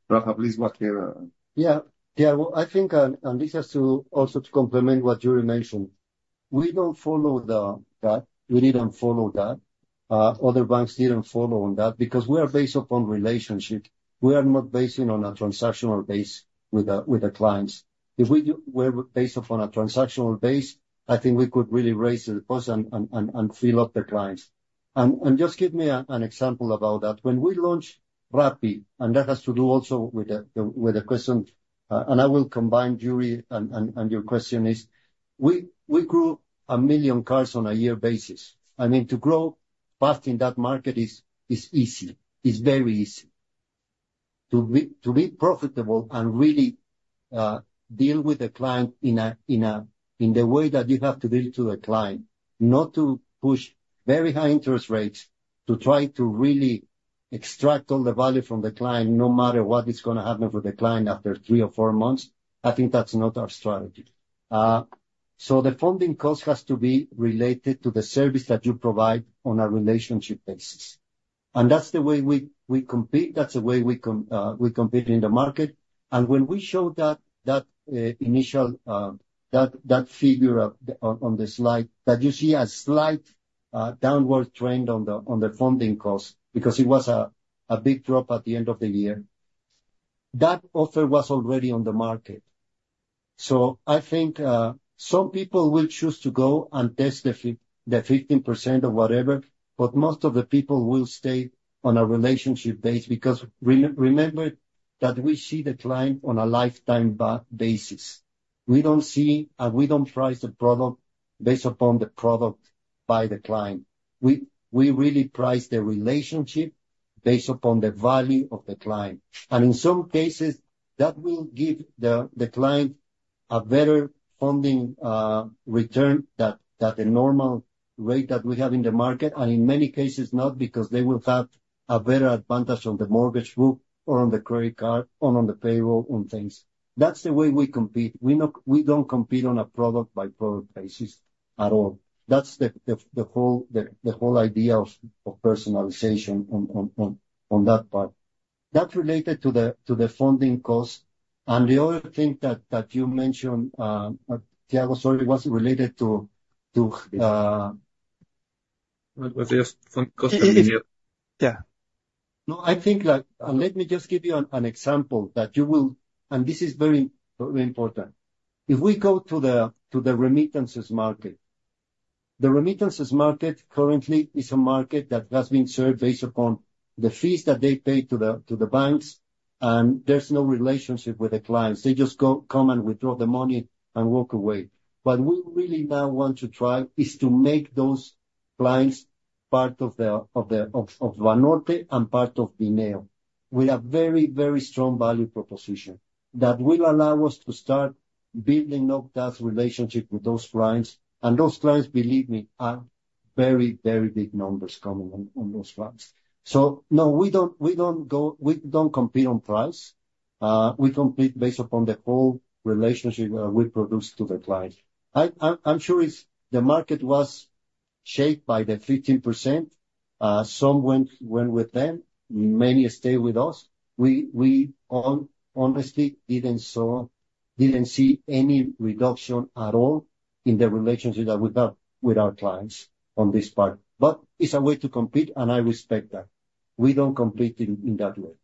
Rafa, please go ahead. Yeah. Yeah. Well, I think, and this is also to complement what Yuri mentioned, we don't follow that. We didn't follow that. Other banks didn't follow on that because we are based upon relationship. We are not basing on a transactional base with the clients. If we were based upon a transactional base, I think we could really raise the deposit and fill up the clients. And just give me an example about that. When we launched Rappi, and that has to do also with the question, and I will combine Yuri and your question is, we grew 1 million cards on a year basis. I mean, to grow fast in that market is easy. It's very easy. To be profitable and really deal with the client in the way that you have to deal to a client, not to push very high interest rates, to try to really extract all the value from the client no matter what is going to happen for the client after three or four months, I think that's not our strategy. The funding cost has to be related to the service that you provide on a relationship basis. That's the way we compete. That's the way we compete in the market. When we showed that figure on the slide that you see a slight downward trend on the funding cost because it was a big drop at the end of the year, that offer was already on the market. I think some people will choose to go and test the 15% or whatever, but most of the people will stay on a relationship base because remember that we see the client on a lifetime basis. We don't price the product based upon the product by the client. We really price the relationship based upon the value of the client. In some cases, that will give the client a better funding return than the normal rate that we have in the market. In many cases, not because they will have a better advantage on the mortgage group or on the credit card or on the payroll and things. That's the way we compete. We don't compete on a product-by-product basis at all. That's the whole idea of personalization on that part. That's related to the funding cost. The other thing that you mentioned, Thiago Batista, was related to. What was the funding cost? Yeah. No, I think let me just give you an example that you will and this is very important. If we go to the remittances market, the remittances market currently is a market that has been served based upon the fees that they pay to the banks, and there's no relationship with the clients. They just come and withdraw the money and walk away. But what we really now want to try is to make those clients part of Banorte and part of Bineo with a very, very strong value proposition that will allow us to start building up that relationship with those clients. And those clients, believe me, are very, very big numbers coming on those clients. So no, we don't compete on price. We compete based upon the whole relationship that we produce to the client. I'm sure the market was shaped by the 15%. Some went with them. Many stayed with us. We, honestly, didn't see any reduction at all in the relationship that we have with our clients on this part. But it's a way to compete, and I respect that. We don't compete in that way.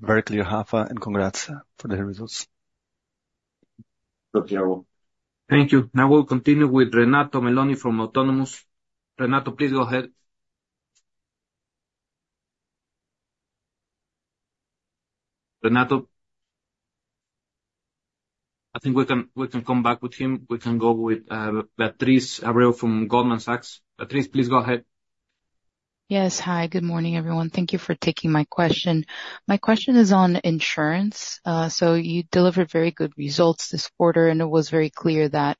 Very clear, Rafa, and congrats for the results. Thank you. Thank you. Now we'll continue with Renato Meloni from Autonomous. Renato, please go ahead. Renato, I think we can come back with him. We can go with Tito Labarta from Goldman Sachs. Tito, please go ahead. Yes. Hi. Good morning, everyone. Thank you for taking my question. My question is on insurance. So you delivered very good results this quarter, and it was very clear that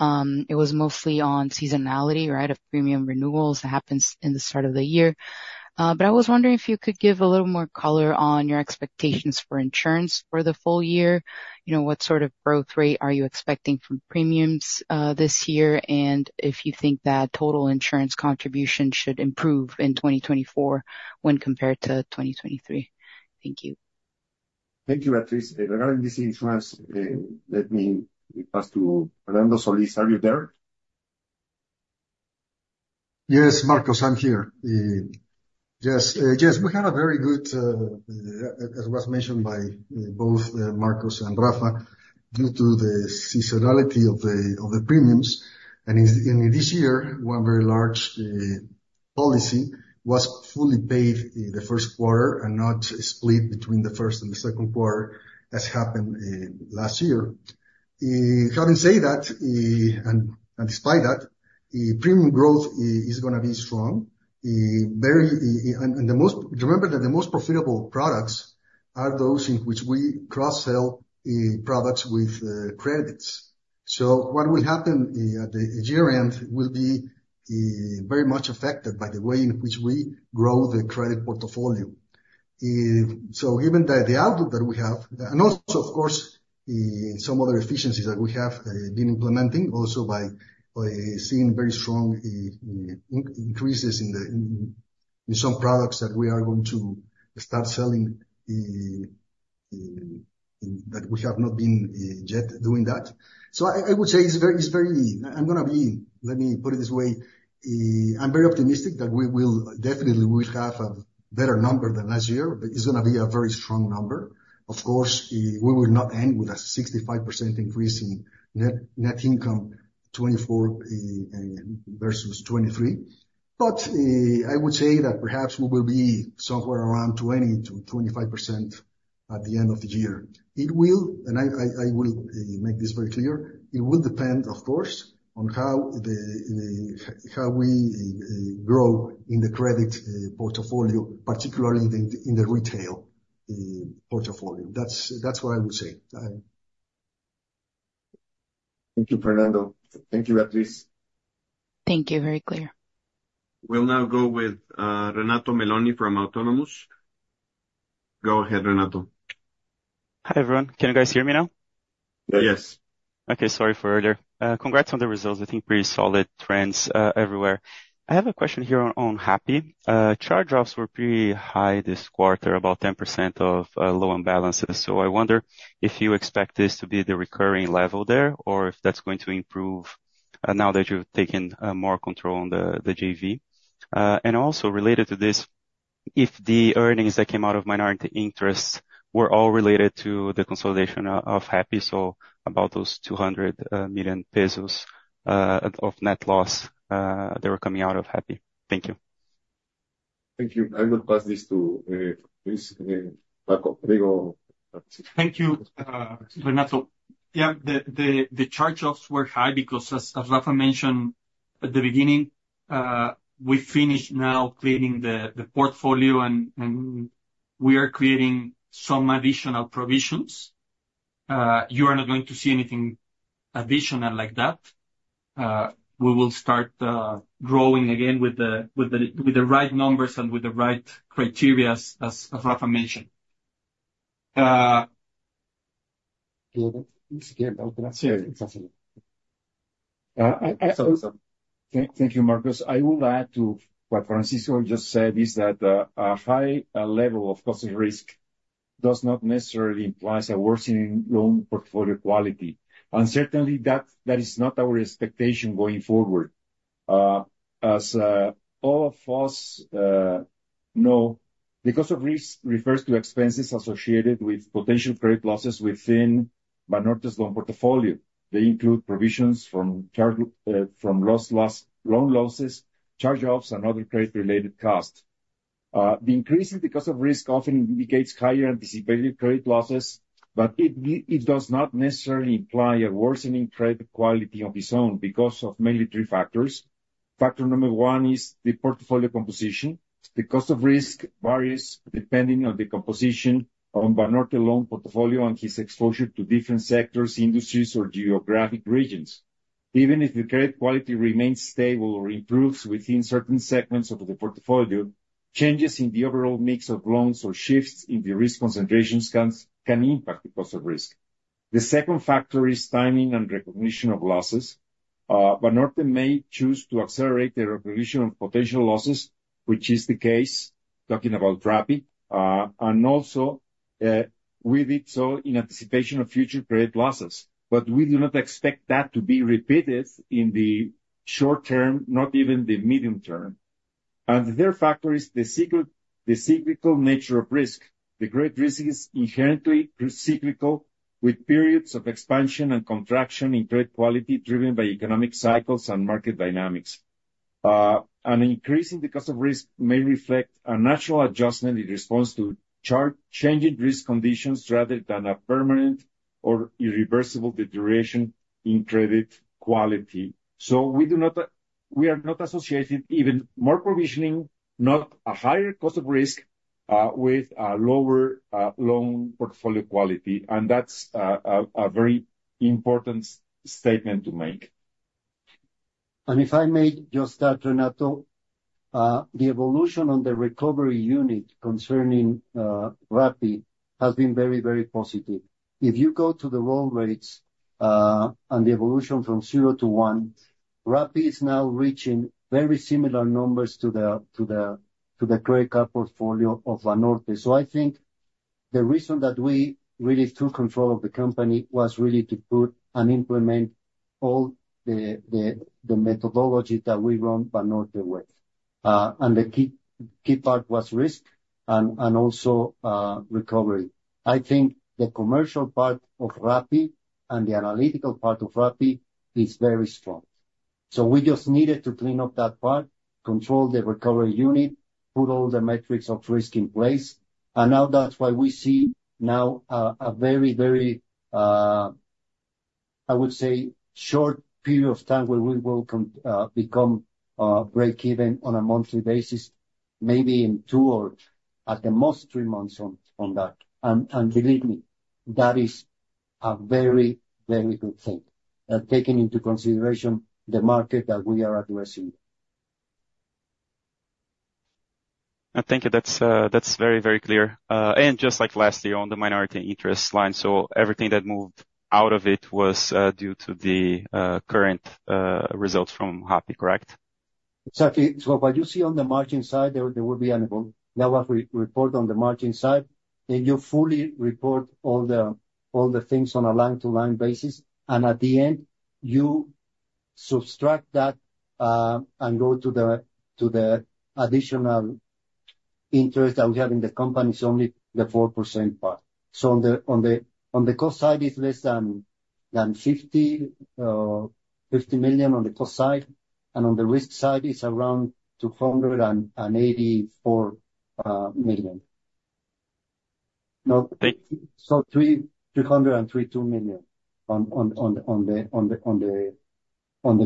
it was mostly on seasonality, right, of premium renewals. It happens in the start of the year. But I was wondering if you could give a little more color on your expectations for insurance for the full year. What sort of growth rate are you expecting from premiums this year and if you think that total insurance contribution should improve in 2024 when compared to 2023? Thank you. Thank you, Tito. Regarding this insurance, let me pass to Fernando Solís. Are you there? Yes, Marcos. I'm here. Yes. Yes. We had a very good, as was mentioned by both Marcos and Rafa, due to the seasonality of the premiums. In this year, one very large policy was fully paid the first quarter and not split between the first and the second quarter as happened last year. Having said that, and despite that, premium growth is going to be strong. Remember that the most profitable products are those in which we cross-sell products with credits. What will happen at the year-end will be very much affected by the way in which we grow the credit portfolio. Given the outlook that we have and also, of course, some other efficiencies that we have been implementing also by seeing very strong increases in some products that we are going to start selling that we have not been yet doing that. So, I would say, let me put it this way. I'm very optimistic that we will definitely have a better number than last year, but it's going to be a very strong number. Of course, we will not end with a 65% increase in net income 2024 versus 2023. But I would say that perhaps we will be somewhere around 20%-25% at the end of the year. And I will make this very clear. It will depend, of course, on how we grow in the credit portfolio, particularly in the retail portfolio. That's what I would say. Thank you, Fernando. Thank you, Tito. Thank you. Very clear. We'll now go with Renato Meloni from Autonomous Research. Go ahead, Renato. Hi, everyone. Can you guys hear me now? Yes. Okay. Sorry for earlier. Congrats on the results. I think pretty solid trends everywhere. I have a question here on Rappi. Charge-offs were pretty high this quarter, about 10% of loan balances. So I wonder if you expect this to be the recurring level there or if that's going to improve now that you've taken more control on the JV. And also related to this, if the earnings that came out of minority interests were all related to the consolidation of Rappi, so about those 200 million pesos of net loss that were coming out of Rappi. Thank you. Thank you. I will pass this to Francisco Martha. Thank you, Renato. Yeah, the charge-offs were high because, as Rafa mentioned at the beginning, we finished now cleaning the portfolio, and we are creating some additional provisions. You are not going to see anything additional like that. We will start growing again with the right numbers and with the right criteria, as Rafa mentioned. Thank you, Marcos. I will add to what Francisco just said is that a high level of cost of risk does not necessarily imply a worsening loan portfolio quality. Certainly, that is not our expectation going forward. As all of us know, the cost of risk refers to expenses associated with potential credit losses within Banorte's loan portfolio. They include provisions for loan losses, charge-offs, and other credit-related costs. The increase in the cost of risk often indicates higher anticipated credit losses, but it does not necessarily imply a worsening credit quality of its own because of mainly three factors. Factor number 1 is the portfolio composition. The cost of risk varies depending on the composition of Banorte's loan portfolio and its exposure to different sectors, industries, or geographic regions. Even if the credit quality remains stable or improves within certain segments of the portfolio, changes in the overall mix of loans or shifts in the risk concentrations can impact the cost of risk. The second factor is timing and recognition of losses. Banorte may choose to accelerate the recognition of potential losses, which is the case, talking about Rappi, and also we did so in anticipation of future credit losses. But we do not expect that to be repeated in the short term, not even the medium term. And the third factor is the cyclical nature of risk. The credit risk is inherently cyclical, with periods of expansion and contraction in credit quality driven by economic cycles and market dynamics. An increase in the cost of risk may reflect a natural adjustment in response to changing risk conditions rather than a permanent or irreversible deterioration in credit quality. We are not associating even more provisioning, not a higher cost of risk, with a lower loan portfolio quality. That's a very important statement to make. And if I may just add, Renato, the evolution on the recovery unit concerning Rappi has been very, very positive. If you go to the roll rates and the evolution from 0 to 1, Rappi is now reaching very similar numbers to the credit card portfolio of Banorte. So I think the reason that we really took control of the company was really to put and implement all the methodology that we run Banorte with. And the key part was risk and also recovery. I think the commercial part of Rappi and the analytical part of Rappi is very strong. So we just needed to clean up that part, control the recovery unit, put all the metrics of risk in place. Now that's why we see now a very, very, I would say, short period of time where we will become break-even on a monthly basis, maybe in 2 or at the most 3 months on that. And believe me, that is a very, very good thing, taking into consideration the market that we are addressing. Thank you. That's very, very clear. And just like last year on the minority interest line, so everything that moved out of it was due to the current results from Rappi, correct? Exactly. So what you see on the margin side, there will be a notable. Now, as we report on the margin side, then you fully report all the things on a line-to-line basis. And at the end, you subtract that and go to the additional interest that we have in the company, so only the 4% part. So on the cost side, it's less than 50 million on the cost side. And on the risk side, it's around 284 million. So 332 million on the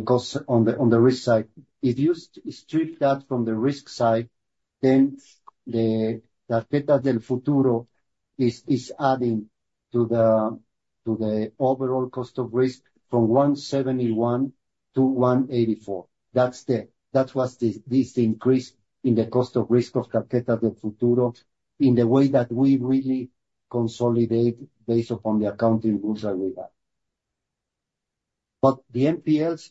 cost on the risk side. If you strip that from the risk side, then Tarjetas del Futuro is adding to the overall cost of risk from 171 to 184. That was the increase in the cost of risk of Tarjetas del Futuro in the way that we really consolidate based upon the accounting rules that we have. But the NPLs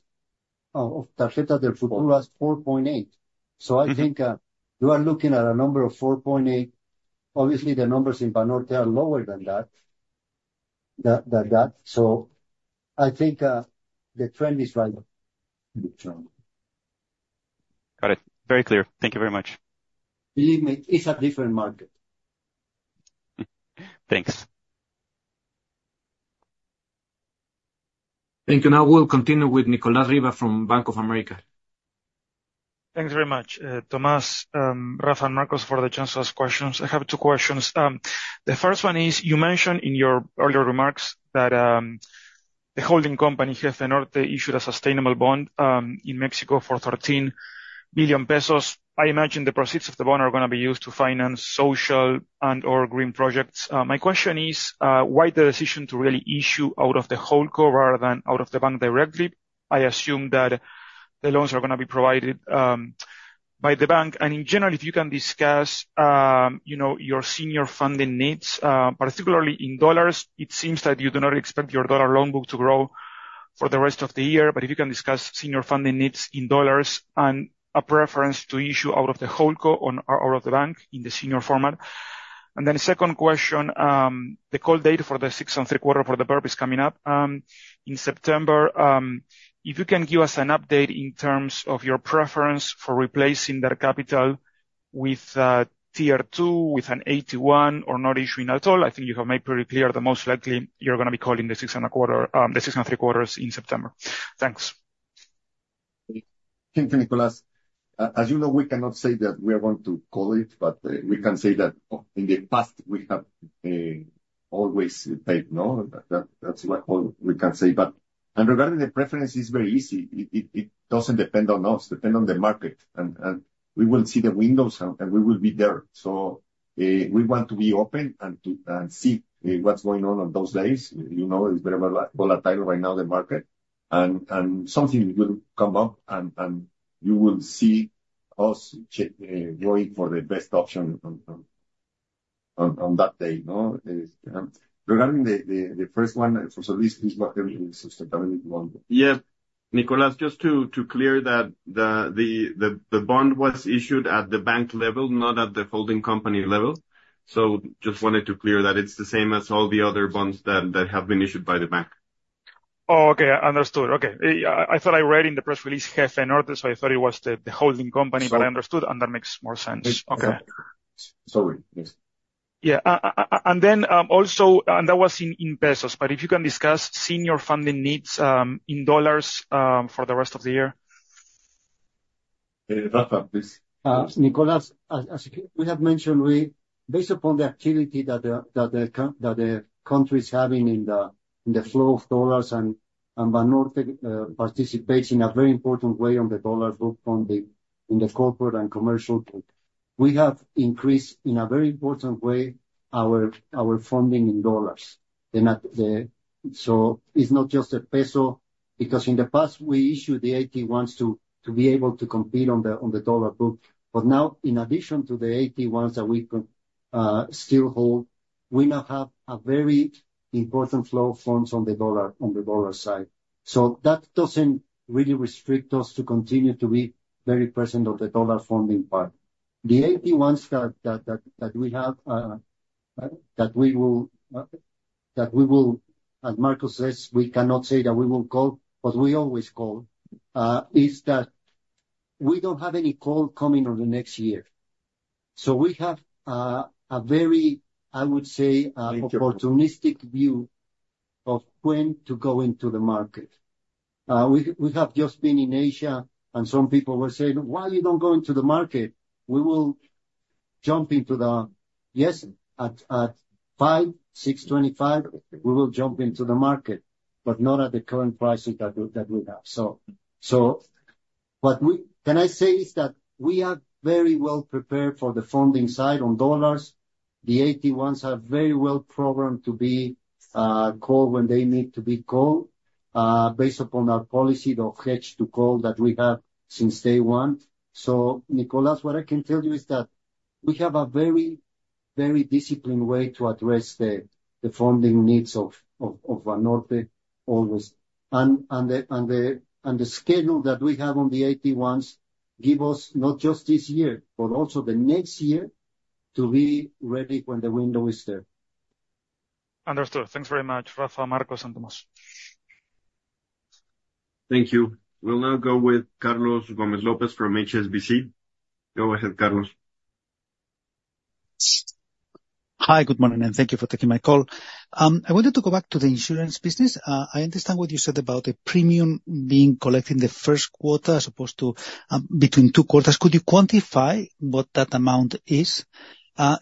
of Tarjetas del Futuro are 4.8%. So I think you are looking at a number of 4.8. Obviously, the numbers in Banorte are lower than that. So I think the trend is right now. Got it. Very clear. Thank you very much. Believe me, it's a different market. Thanks. Thank you. Now we'll continue with Nicolás Riva from Bank of America. Thanks very much, Tomás, Rafa, and Marcos for the chance to ask questions. I have two questions. The first one is you mentioned in your earlier remarks that the holding company, Grupo Financiero Banorte, issued a sustainable bond in Mexico for 13 billion pesos. I imagine the proceeds of the bond are going to be used to finance social and/or green projects. My question is why the decision to really issue out of the Holdco rather than out of the bank directly. I assume that the loans are going to be provided by the bank. And in general, if you can discuss your senior funding needs, particularly in dollars, it seems that you do not expect your dollar loan book to grow for the rest of the year. If you can discuss senior funding needs in dollars and a preference to issue out of the Holdco or out of the bank in the senior format. Then second question, the call date for the 6.75% preferred coming up in September, if you can give us an update in terms of your preference for replacing that capital with Tier 2, with an AT1, or not issuing at all. I think you have made pretty clear that most likely you're going to be calling the 6.75% in September. Thanks. Thank you, Nicolás. As you know, we cannot say that we are going to call it, but we can say that in the past, we have always paid. That's what we can say. Regarding the preference, it's very easy. It doesn't depend on us. It depends on the market. We will see the windows, and we will be there. We want to be open and see what's going on on those days. It's very volatile right now, the market. Something will come up, and you will see us going for the best option on that day. Regarding the first one, for solidity is what the sustainable bond. Yeah. Nicolás, just to clear that the bond was issued at the bank level, not at the holding company level. So just wanted to clear that it's the same as all the other bonds that have been issued by the bank. Oh, okay. Understood. Okay. I thought I read in the press release, Grupo Banorte, so I thought it was the holding company, but I understood, and that makes more sense. Okay. Sorry. Yes. Yeah. And then also, and that was in pesos. But if you can discuss senior funding needs in dollars for the rest of the year. Rafa, please. Nicolás, we have mentioned based upon the activity that the country is having in the flow of dollars and Banorte participates in a very important way on the dollar book in the corporate and commercial book. We have increased in a very important way our funding in dollars. So it's not just the peso because in the past, we issued the AT1s to be able to compete on the dollar book. But now, in addition to the AT1s that we still hold, we now have a very important flow of funds on the dollar side. So that doesn't really restrict us to continue to be very present on the dollar funding part. The AT1s that we have that we will, as Marcos says, we cannot say that we will call, but we always call, is that we don't have any call coming on the next year. So we have a very, I would say, opportunistic view of when to go into the market. We have just been in Asia, and some people were saying, "Why you don't go into the market?" We will jump into the yes, at 5-6.25, we will jump into the market, but not at the current prices that we have. So what can I say is that we are very well prepared for the funding side on dollars. The AT1s are very well programmed to be called when they need to be called based upon our policy of hedge to call that we have since day one. So, Nicolás, what I can tell you is that we have a very, very disciplined way to address the funding needs of Banorte always. The schedule that we have on the AT1s gives us not just this year, but also the next year to be ready when the window is there. Understood. Thanks very much, Rafa, Marcos, and Tomás. Thank you. We'll now go with Carlos Gómez-López from HSBC. Go ahead, Carlos. Hi. Good morning, and thank you for taking my call. I wanted to go back to the insurance business. I understand what you said about the premium being collected in the first quarter as opposed to between two quarters. Could you quantify what that amount is?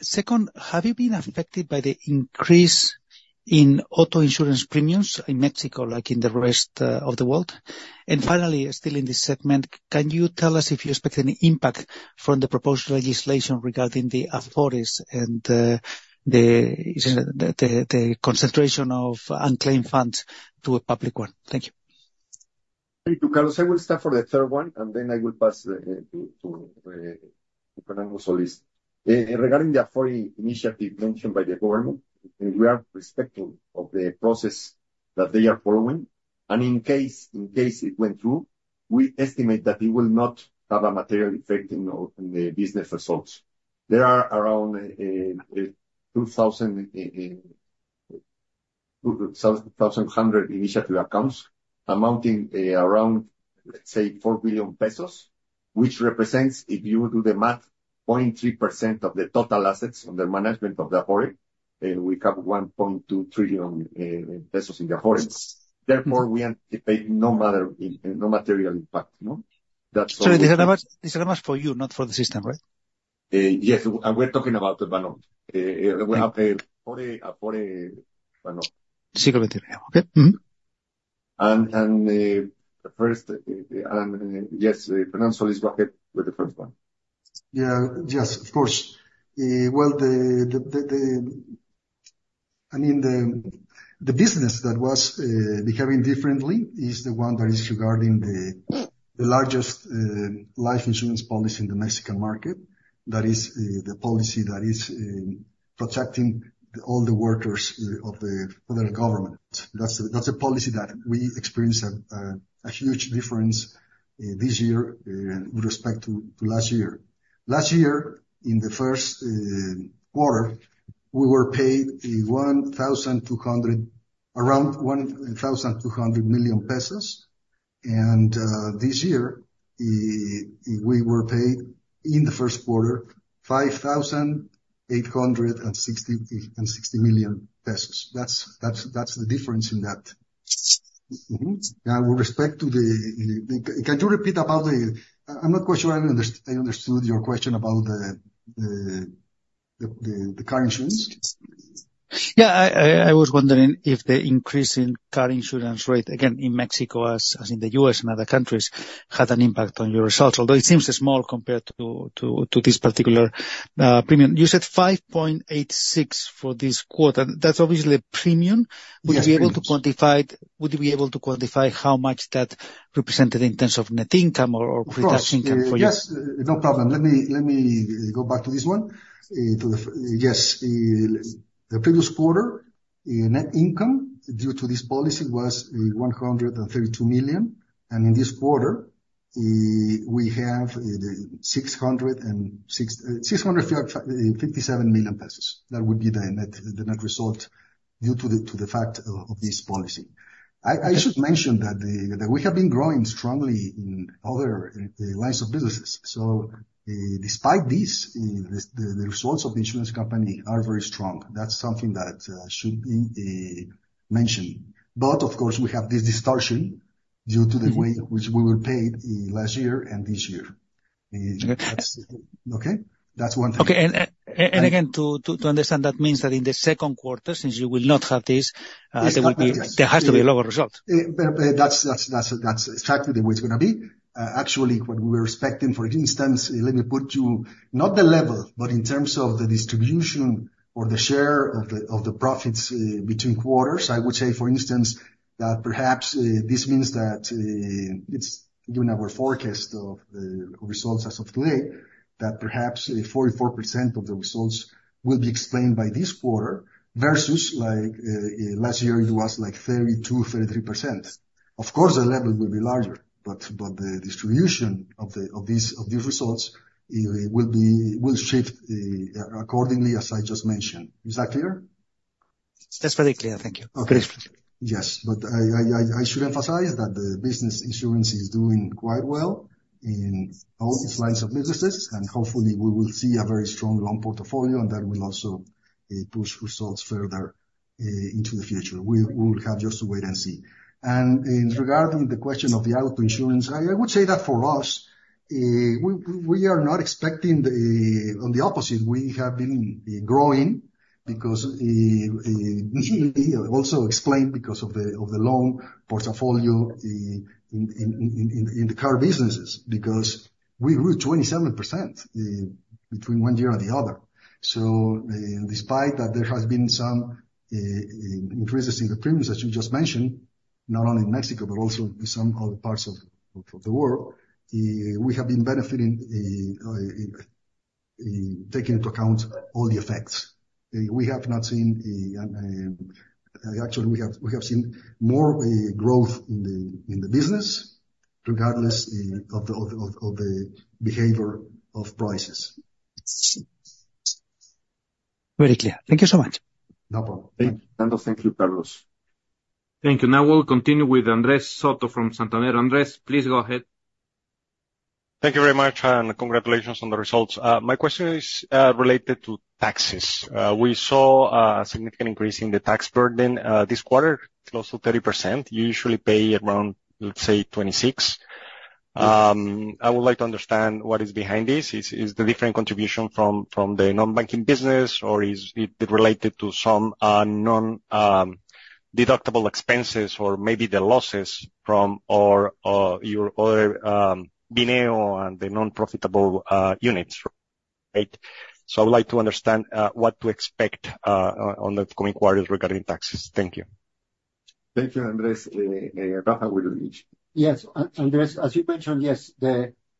Second, have you been affected by the increase in auto insurance premiums in Mexico, like in the rest of the world? And finally, still in this segment, can you tell us if you expect any impact from the proposed legislation regarding the Afores and the concentration of unclaimed funds to a public one? Thank you. Thank you, Carlos. I will start for the third one, and then I will pass to Fernando Solís. Regarding the Afore initiative mentioned by the government, we are respectful of the process that they are following. And in case it went through, we estimate that it will not have a material effect in the business results. There are around 2,100 inactive accounts amounting around, let's say, 4 billion pesos, which represents, if you do the math, 0.3% of the total assets under management of the Afore. And we have 1.2 trillion pesos in the Afore. Therefore, we anticipate no material impact. Sorry, this is for you, not for the system, right? Yes. We're talking about Banorte. We have Afore Banorte. Sí, correcto. Okay. Yes, Fernando Solís, go ahead with the first one. Yeah. Yes, of course. Well, I mean, the business that was behaving differently is the one that is regarding the largest life insurance policy in the Mexican market. That is the policy that is protecting all the workers of the federal government. That's a policy that we experienced a huge difference in this year with respect to last year. Last year, in the first quarter, we were paid around 1,200 million pesos. And this year, we were paid, in the first quarter, 5,860 million pesos. That's the difference in that. Now, with respect to the, can you repeat about the, I'm not quite sure I understood your question about the car insurance. Yeah. I was wondering if the increase in car insurance rate, again, in Mexico as in the U.S. and other countries, had an impact on your results, although it seems small compared to this particular premium. You said 5.86 for this quarter. That's obviously a premium. Would you be able to quantify would you be able to quantify how much that represented in terms of net income or credit tax income for you? Yes. No problem. Let me go back to this one. Yes. The previous quarter, net income due to this policy was 132 million. And in this quarter, we have 657 million pesos. That would be the net result due to the fact of this policy. I should mention that we have been growing strongly in other lines of businesses. So despite this, the results of the insurance company are very strong. That's something that should be mentioned. But of course, we have this distortion due to the way which we were paid last year and this year. Okay? That's one thing. Okay. Again, to understand, that means that in the second quarter, since you will not have this, there has to be a lower result. Exactly. That's exactly the way it's going to be. Actually, what we were expecting, for instance, let me put you not the level, but in terms of the distribution or the share of the profits between quarters, I would say, for instance, that perhaps this means that it's given our forecast of the results as of today, that perhaps 44% of the results will be explained by this quarter versus last year, it was 32%-33%. Of course, the level will be larger, but the distribution of these results will shift accordingly, as I just mentioned. Is that clear? That's very clear. Thank you. Okay. Yes. But I should emphasize that the business insurance is doing quite well in all these lines of businesses. And hopefully, we will see a very strong loan portfolio, and that will also push results further into the future. We will have just to wait and see. And in regard to the question of the auto insurance, I would say that for us, we are not expecting the opposite. We have been growing because also explained because of the loan portfolio in the car businesses because we grew 27% between one year and the other. So despite that there has been some increases in the premiums that you just mentioned, not only in Mexico, but also in some other parts of the world, we have been benefiting taking into account all the effects. We have not seen actually, we have seen more growth in the business regardless of the behavior of prices. Very clear. Thank you so much. No problem. Thank you, Fernando. Thank you, Carlos. Thank you. Now we'll continue with Andrés Soto from Santander. Andrés, please go ahead. Thank you very much, and congratulations on the results. My question is related to taxes. We saw a significant increase in the tax burden this quarter, close to 30%. You usually pay around, let's say, 26%. I would like to understand what is behind this. Is the different contribution from the non-banking business, or is it related to some non-deductible expenses or maybe the losses from your other Bineo and the non-profitable units, right? So I would like to understand what to expect on the coming quarters regarding taxes. Thank you. Thank you, Andrés. Rafa, will you reach? Yes. Andrés, as you mentioned, yes,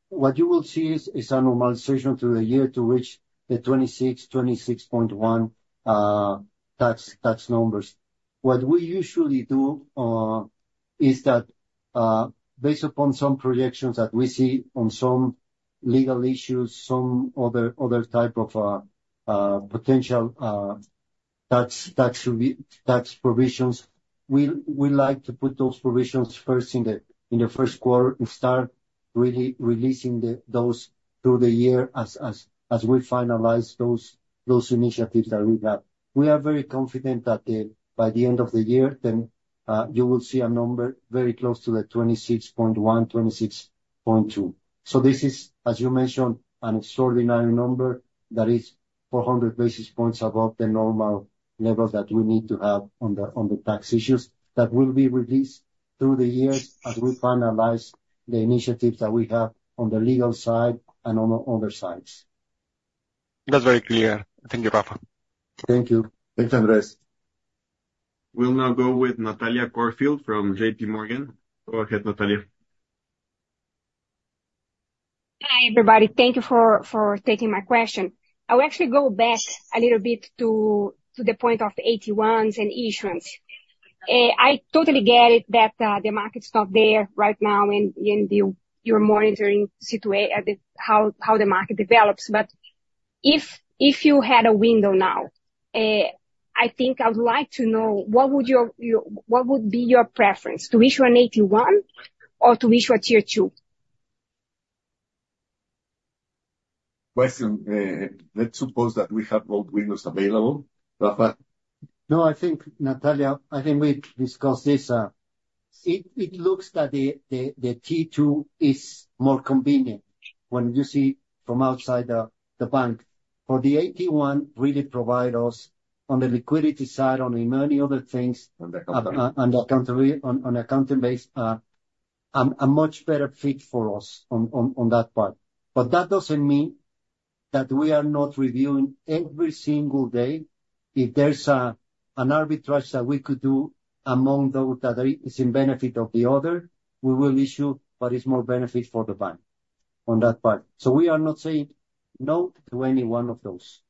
what you will see is a normalization through the year to reach the 26%-26.1% tax numbers. What we usually do is that based upon some projections that we see on some legal issues, some other type of potential tax provisions, we like to put those provisions first in the first quarter and start really releasing those through the year as we finalize those initiatives that we have. We are very confident that by the end of the year, then you will see a number very close to the 26.1%-26.2%. So this is, as you mentioned, an extraordinary number that is 400 basis points above the normal level that we need to have on the tax issues that will be released through the years as we finalize the initiatives that we have on the legal side and on other sides. That's very clear. Thank you, Rafa. Thank you. Thanks, Andrés. We'll now go with Natalia Corfield from JPMorgan. Go ahead, Natalia. Hi, everybody. Thank you for taking my question. I will actually go back a little bit to the point of the AT1s and issuance. I totally get it that the market's not there right now in your monitoring situation how the market develops. But if you had a window now, I think I would like to know what would be your preference, to issue an AT1 or to issue a Tier 2? Question. Let's suppose that we have both windows available. Rafa? No, I think, Natalia, I think we discussed this. It looks that the Tier 2 is more convenient when you see from outside the bank. For the AT1, really provide us on the liquidity side, on many other things, on accounting-based, a much better fit for us on that part. But that doesn't mean that we are not reviewing every single day. If there's an arbitrage that we could do among those that is in benefit of the other, we will issue, but it's more benefit for the bank on that part. So we are not saying no to any one of those.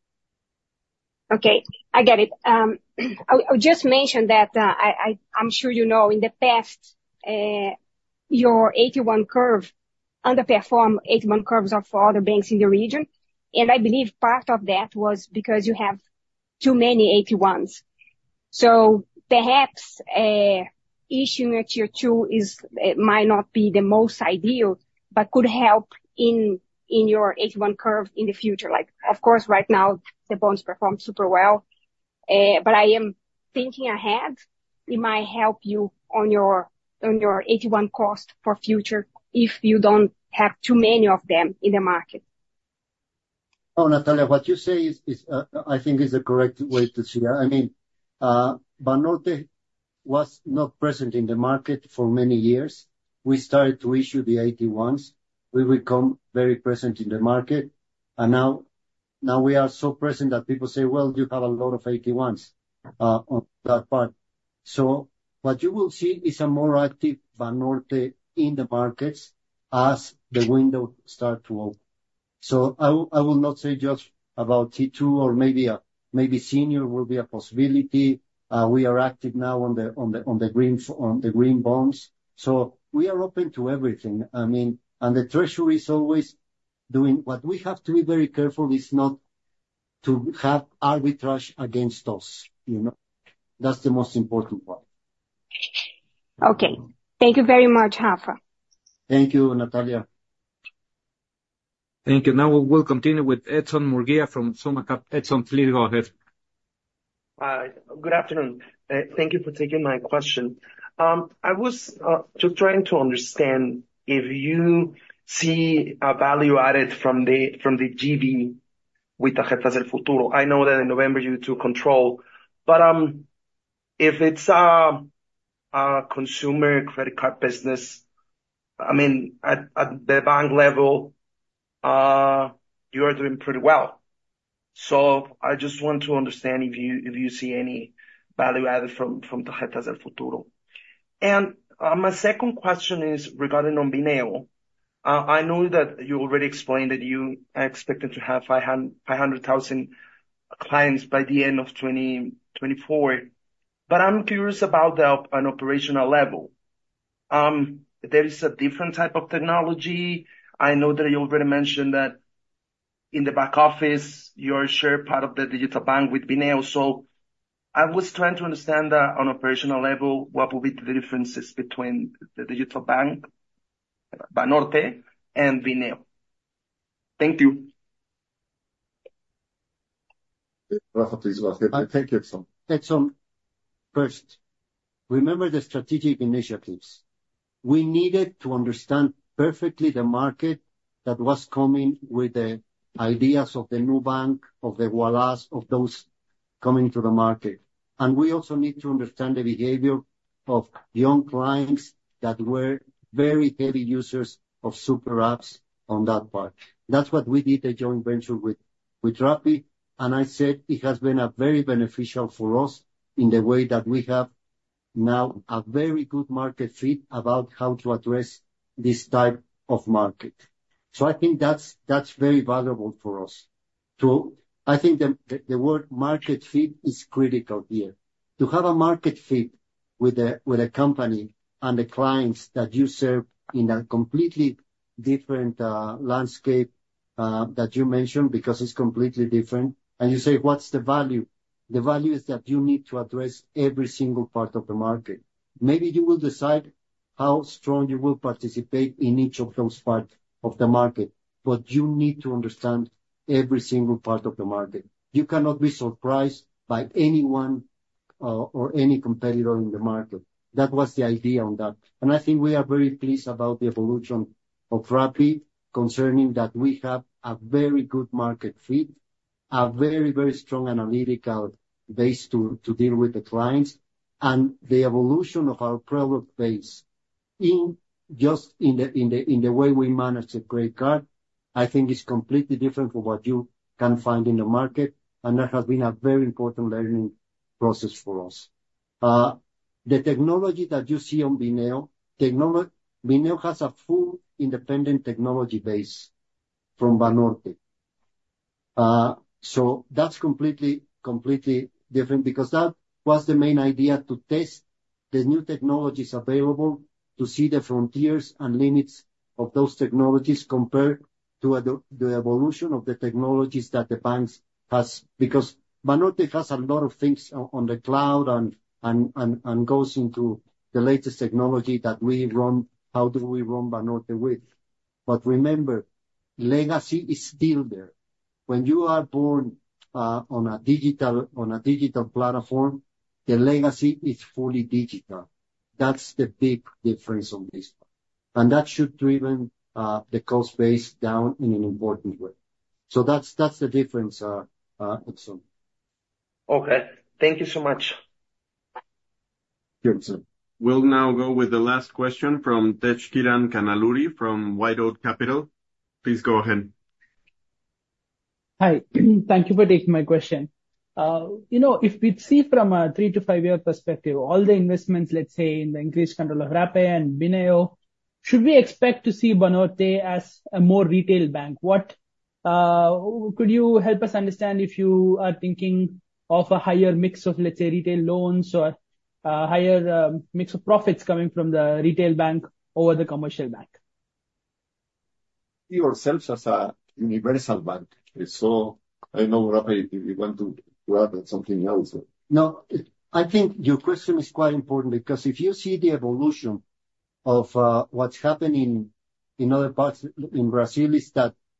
Okay. I get it. I'll just mention that I'm sure you know, in the past, your AT1 curve underperformed AT1 curves of other banks in the region. And I believe part of that was because you have too many AT1s. So perhaps issuing a Tier 2 might not be the most ideal, but could help in your AT1 curve in the future. Of course, right now, the bonds perform super well. But I am thinking ahead, it might help you on your AT1 cost for future if you don't have too many of them in the market. Oh, Natalia, what you say, I think, is a correct way to see it. I mean, Banorte was not present in the market for many years. We started to issue the AT1s. We become very present in the market. And now we are so present that people say, "Well, you have a lot of AT1s on that part." So what you will see is a more active Banorte in the markets as the window starts to open. So I will not say just about Tier 2 or maybe senior will be a possibility. We are active now on the green bonds. So we are open to everything. I mean, and the treasury is always doing what we have to be very careful is not to have arbitrage against us. That's the most important part. Okay. Thank you very much, Rafa. Thank you, Natalia. Thank you. Now we'll continue with Edson Murguía from SummaCap. Edson, please go ahead. Good afternoon. Thank you for taking my question. I was just trying to understand if you see a value added from the JV with Tarjetas del Futuro. I know that in November, you took control. But if it's a consumer credit card business, I mean, at the bank level, you are doing pretty well. So I just want to understand if you see any value added from Tarjetas del Futuro. And my second question is regarding Bineo. I know that you already explained that you expected to have 500,000 clients by the end of 2024. But I'm curious about the operational level. There is a different type of technology. I know that you already mentioned that in the back office, you are a shared part of the digital bank with Bineo. I was trying to understand that on operational level, what will be the differences between the digital bank, Banorte, and Bineo? Thank you. Rafa, please go ahead. Thank you, Edson. Edson, first, remember the strategic initiatives. We needed to understand perfectly the market that was coming with the ideas of the new bank, of the wallets, of those coming to the market. And we also need to understand the behavior of young clients that were very heavy users of super apps on that part. That's what we did, a joint venture with Rappi. And I said it has been very beneficial for us in the way that we have now a very good market fit about how to address this type of market. So I think that's very valuable for us. I think the word market fit is critical here. To have a market fit with a company and the clients that you serve in a completely different landscape that you mentioned because it's completely different. And you say, "What's the value?" The value is that you need to address every single part of the market. Maybe you will decide how strong you will participate in each of those parts of the market, but you need to understand every single part of the market. You cannot be surprised by anyone or any competitor in the market. That was the idea on that. And I think we are very pleased about the evolution of Rappi concerning that we have a very good market fit, a very, very strong analytical base to deal with the clients, and the evolution of our product base just in the way we manage the credit card. I think it's completely different from what you can find in the market. And that has been a very important learning process for us. The technology that you see on Bineo, Bineo has a full independent technology base from Banorte. So that's completely different because that was the main idea to test the new technologies available to see the frontiers and limits of those technologies compared to the evolution of the technologies that the banks have because Banorte has a lot of things on the cloud and goes into the latest technology that we run, how do we run Banorte with. But remember, legacy is still there. When you are born on a digital platform, the legacy is fully digital. That's the big difference on this part. And that should drive the cost base down in an important way. So that's the difference, Edson. Okay. Thank you so much. Thank you, Edson. We'll now go with the last question from Tejkiran Kannaluri from WhiteOak Capital Management. Please go ahead. Hi. Thank you for taking my question. If we'd see from a 3-5-year perspective, all the investments, let's say, in the increased control of Rappi and Bineo, should we expect to see Banorte as a more retail bank? Could you help us understand if you are thinking of a higher mix of, let's say, retail loans or a higher mix of profits coming from the retail bank over the commercial bank? See yourselves as a universal bank. I know, Rafa, if you want to add something else. No, I think your question is quite important because if you see the evolution of what's happening in other parts in Brazil,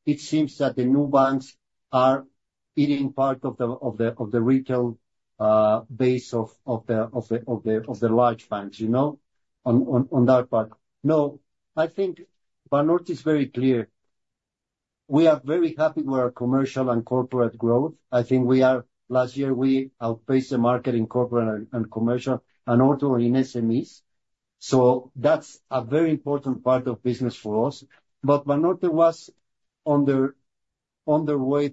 it seems that the new banks are eating part of the retail base of the large banks on that part. No, I think Banorte is very clear. We are very happy with our commercial and corporate growth. I think last year, we outpaced the market in corporate and commercial and also in SMEs. So that's a very important part of business for us. But Banorte was underweight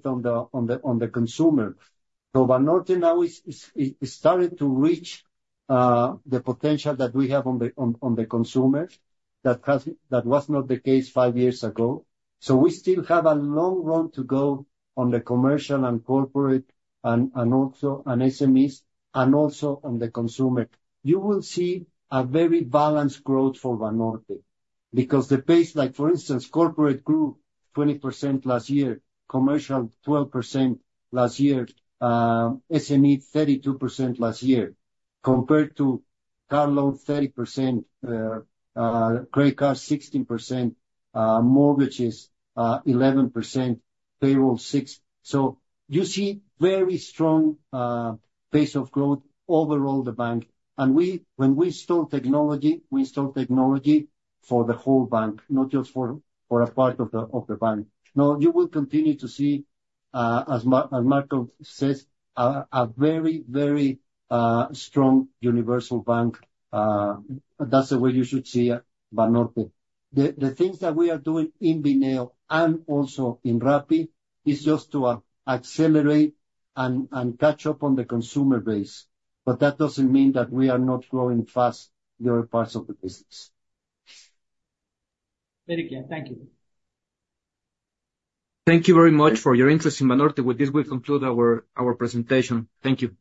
on the consumer. So Banorte now is starting to reach the potential that we have on the consumer that was not the case five years ago. So we still have a long run to go on the commercial and corporate and also on SMEs and also on the consumer. You will see a very balanced growth for Banorte because the pace, for instance, corporate grew 20% last year, commercial 12% last year, SME 32% last year compared to car loan 30%, credit card 16%, mortgages 11%, payroll 6%. So you see very strong pace of growth overall, the bank. And when we install technology, we install technology for the whole bank, not just for a part of the bank. No, you will continue to see, as Marco says, a very, very strong universal bank. That's the way you should see Banorte. The things that we are doing in Bineo and also in Rappi is just to accelerate and catch up on the consumer base. But that doesn't mean that we are not growing fast in other parts of the business. Very good. Thank you. Thank you very much for your interest in Banorte. With this, we conclude our presentation. Thank you.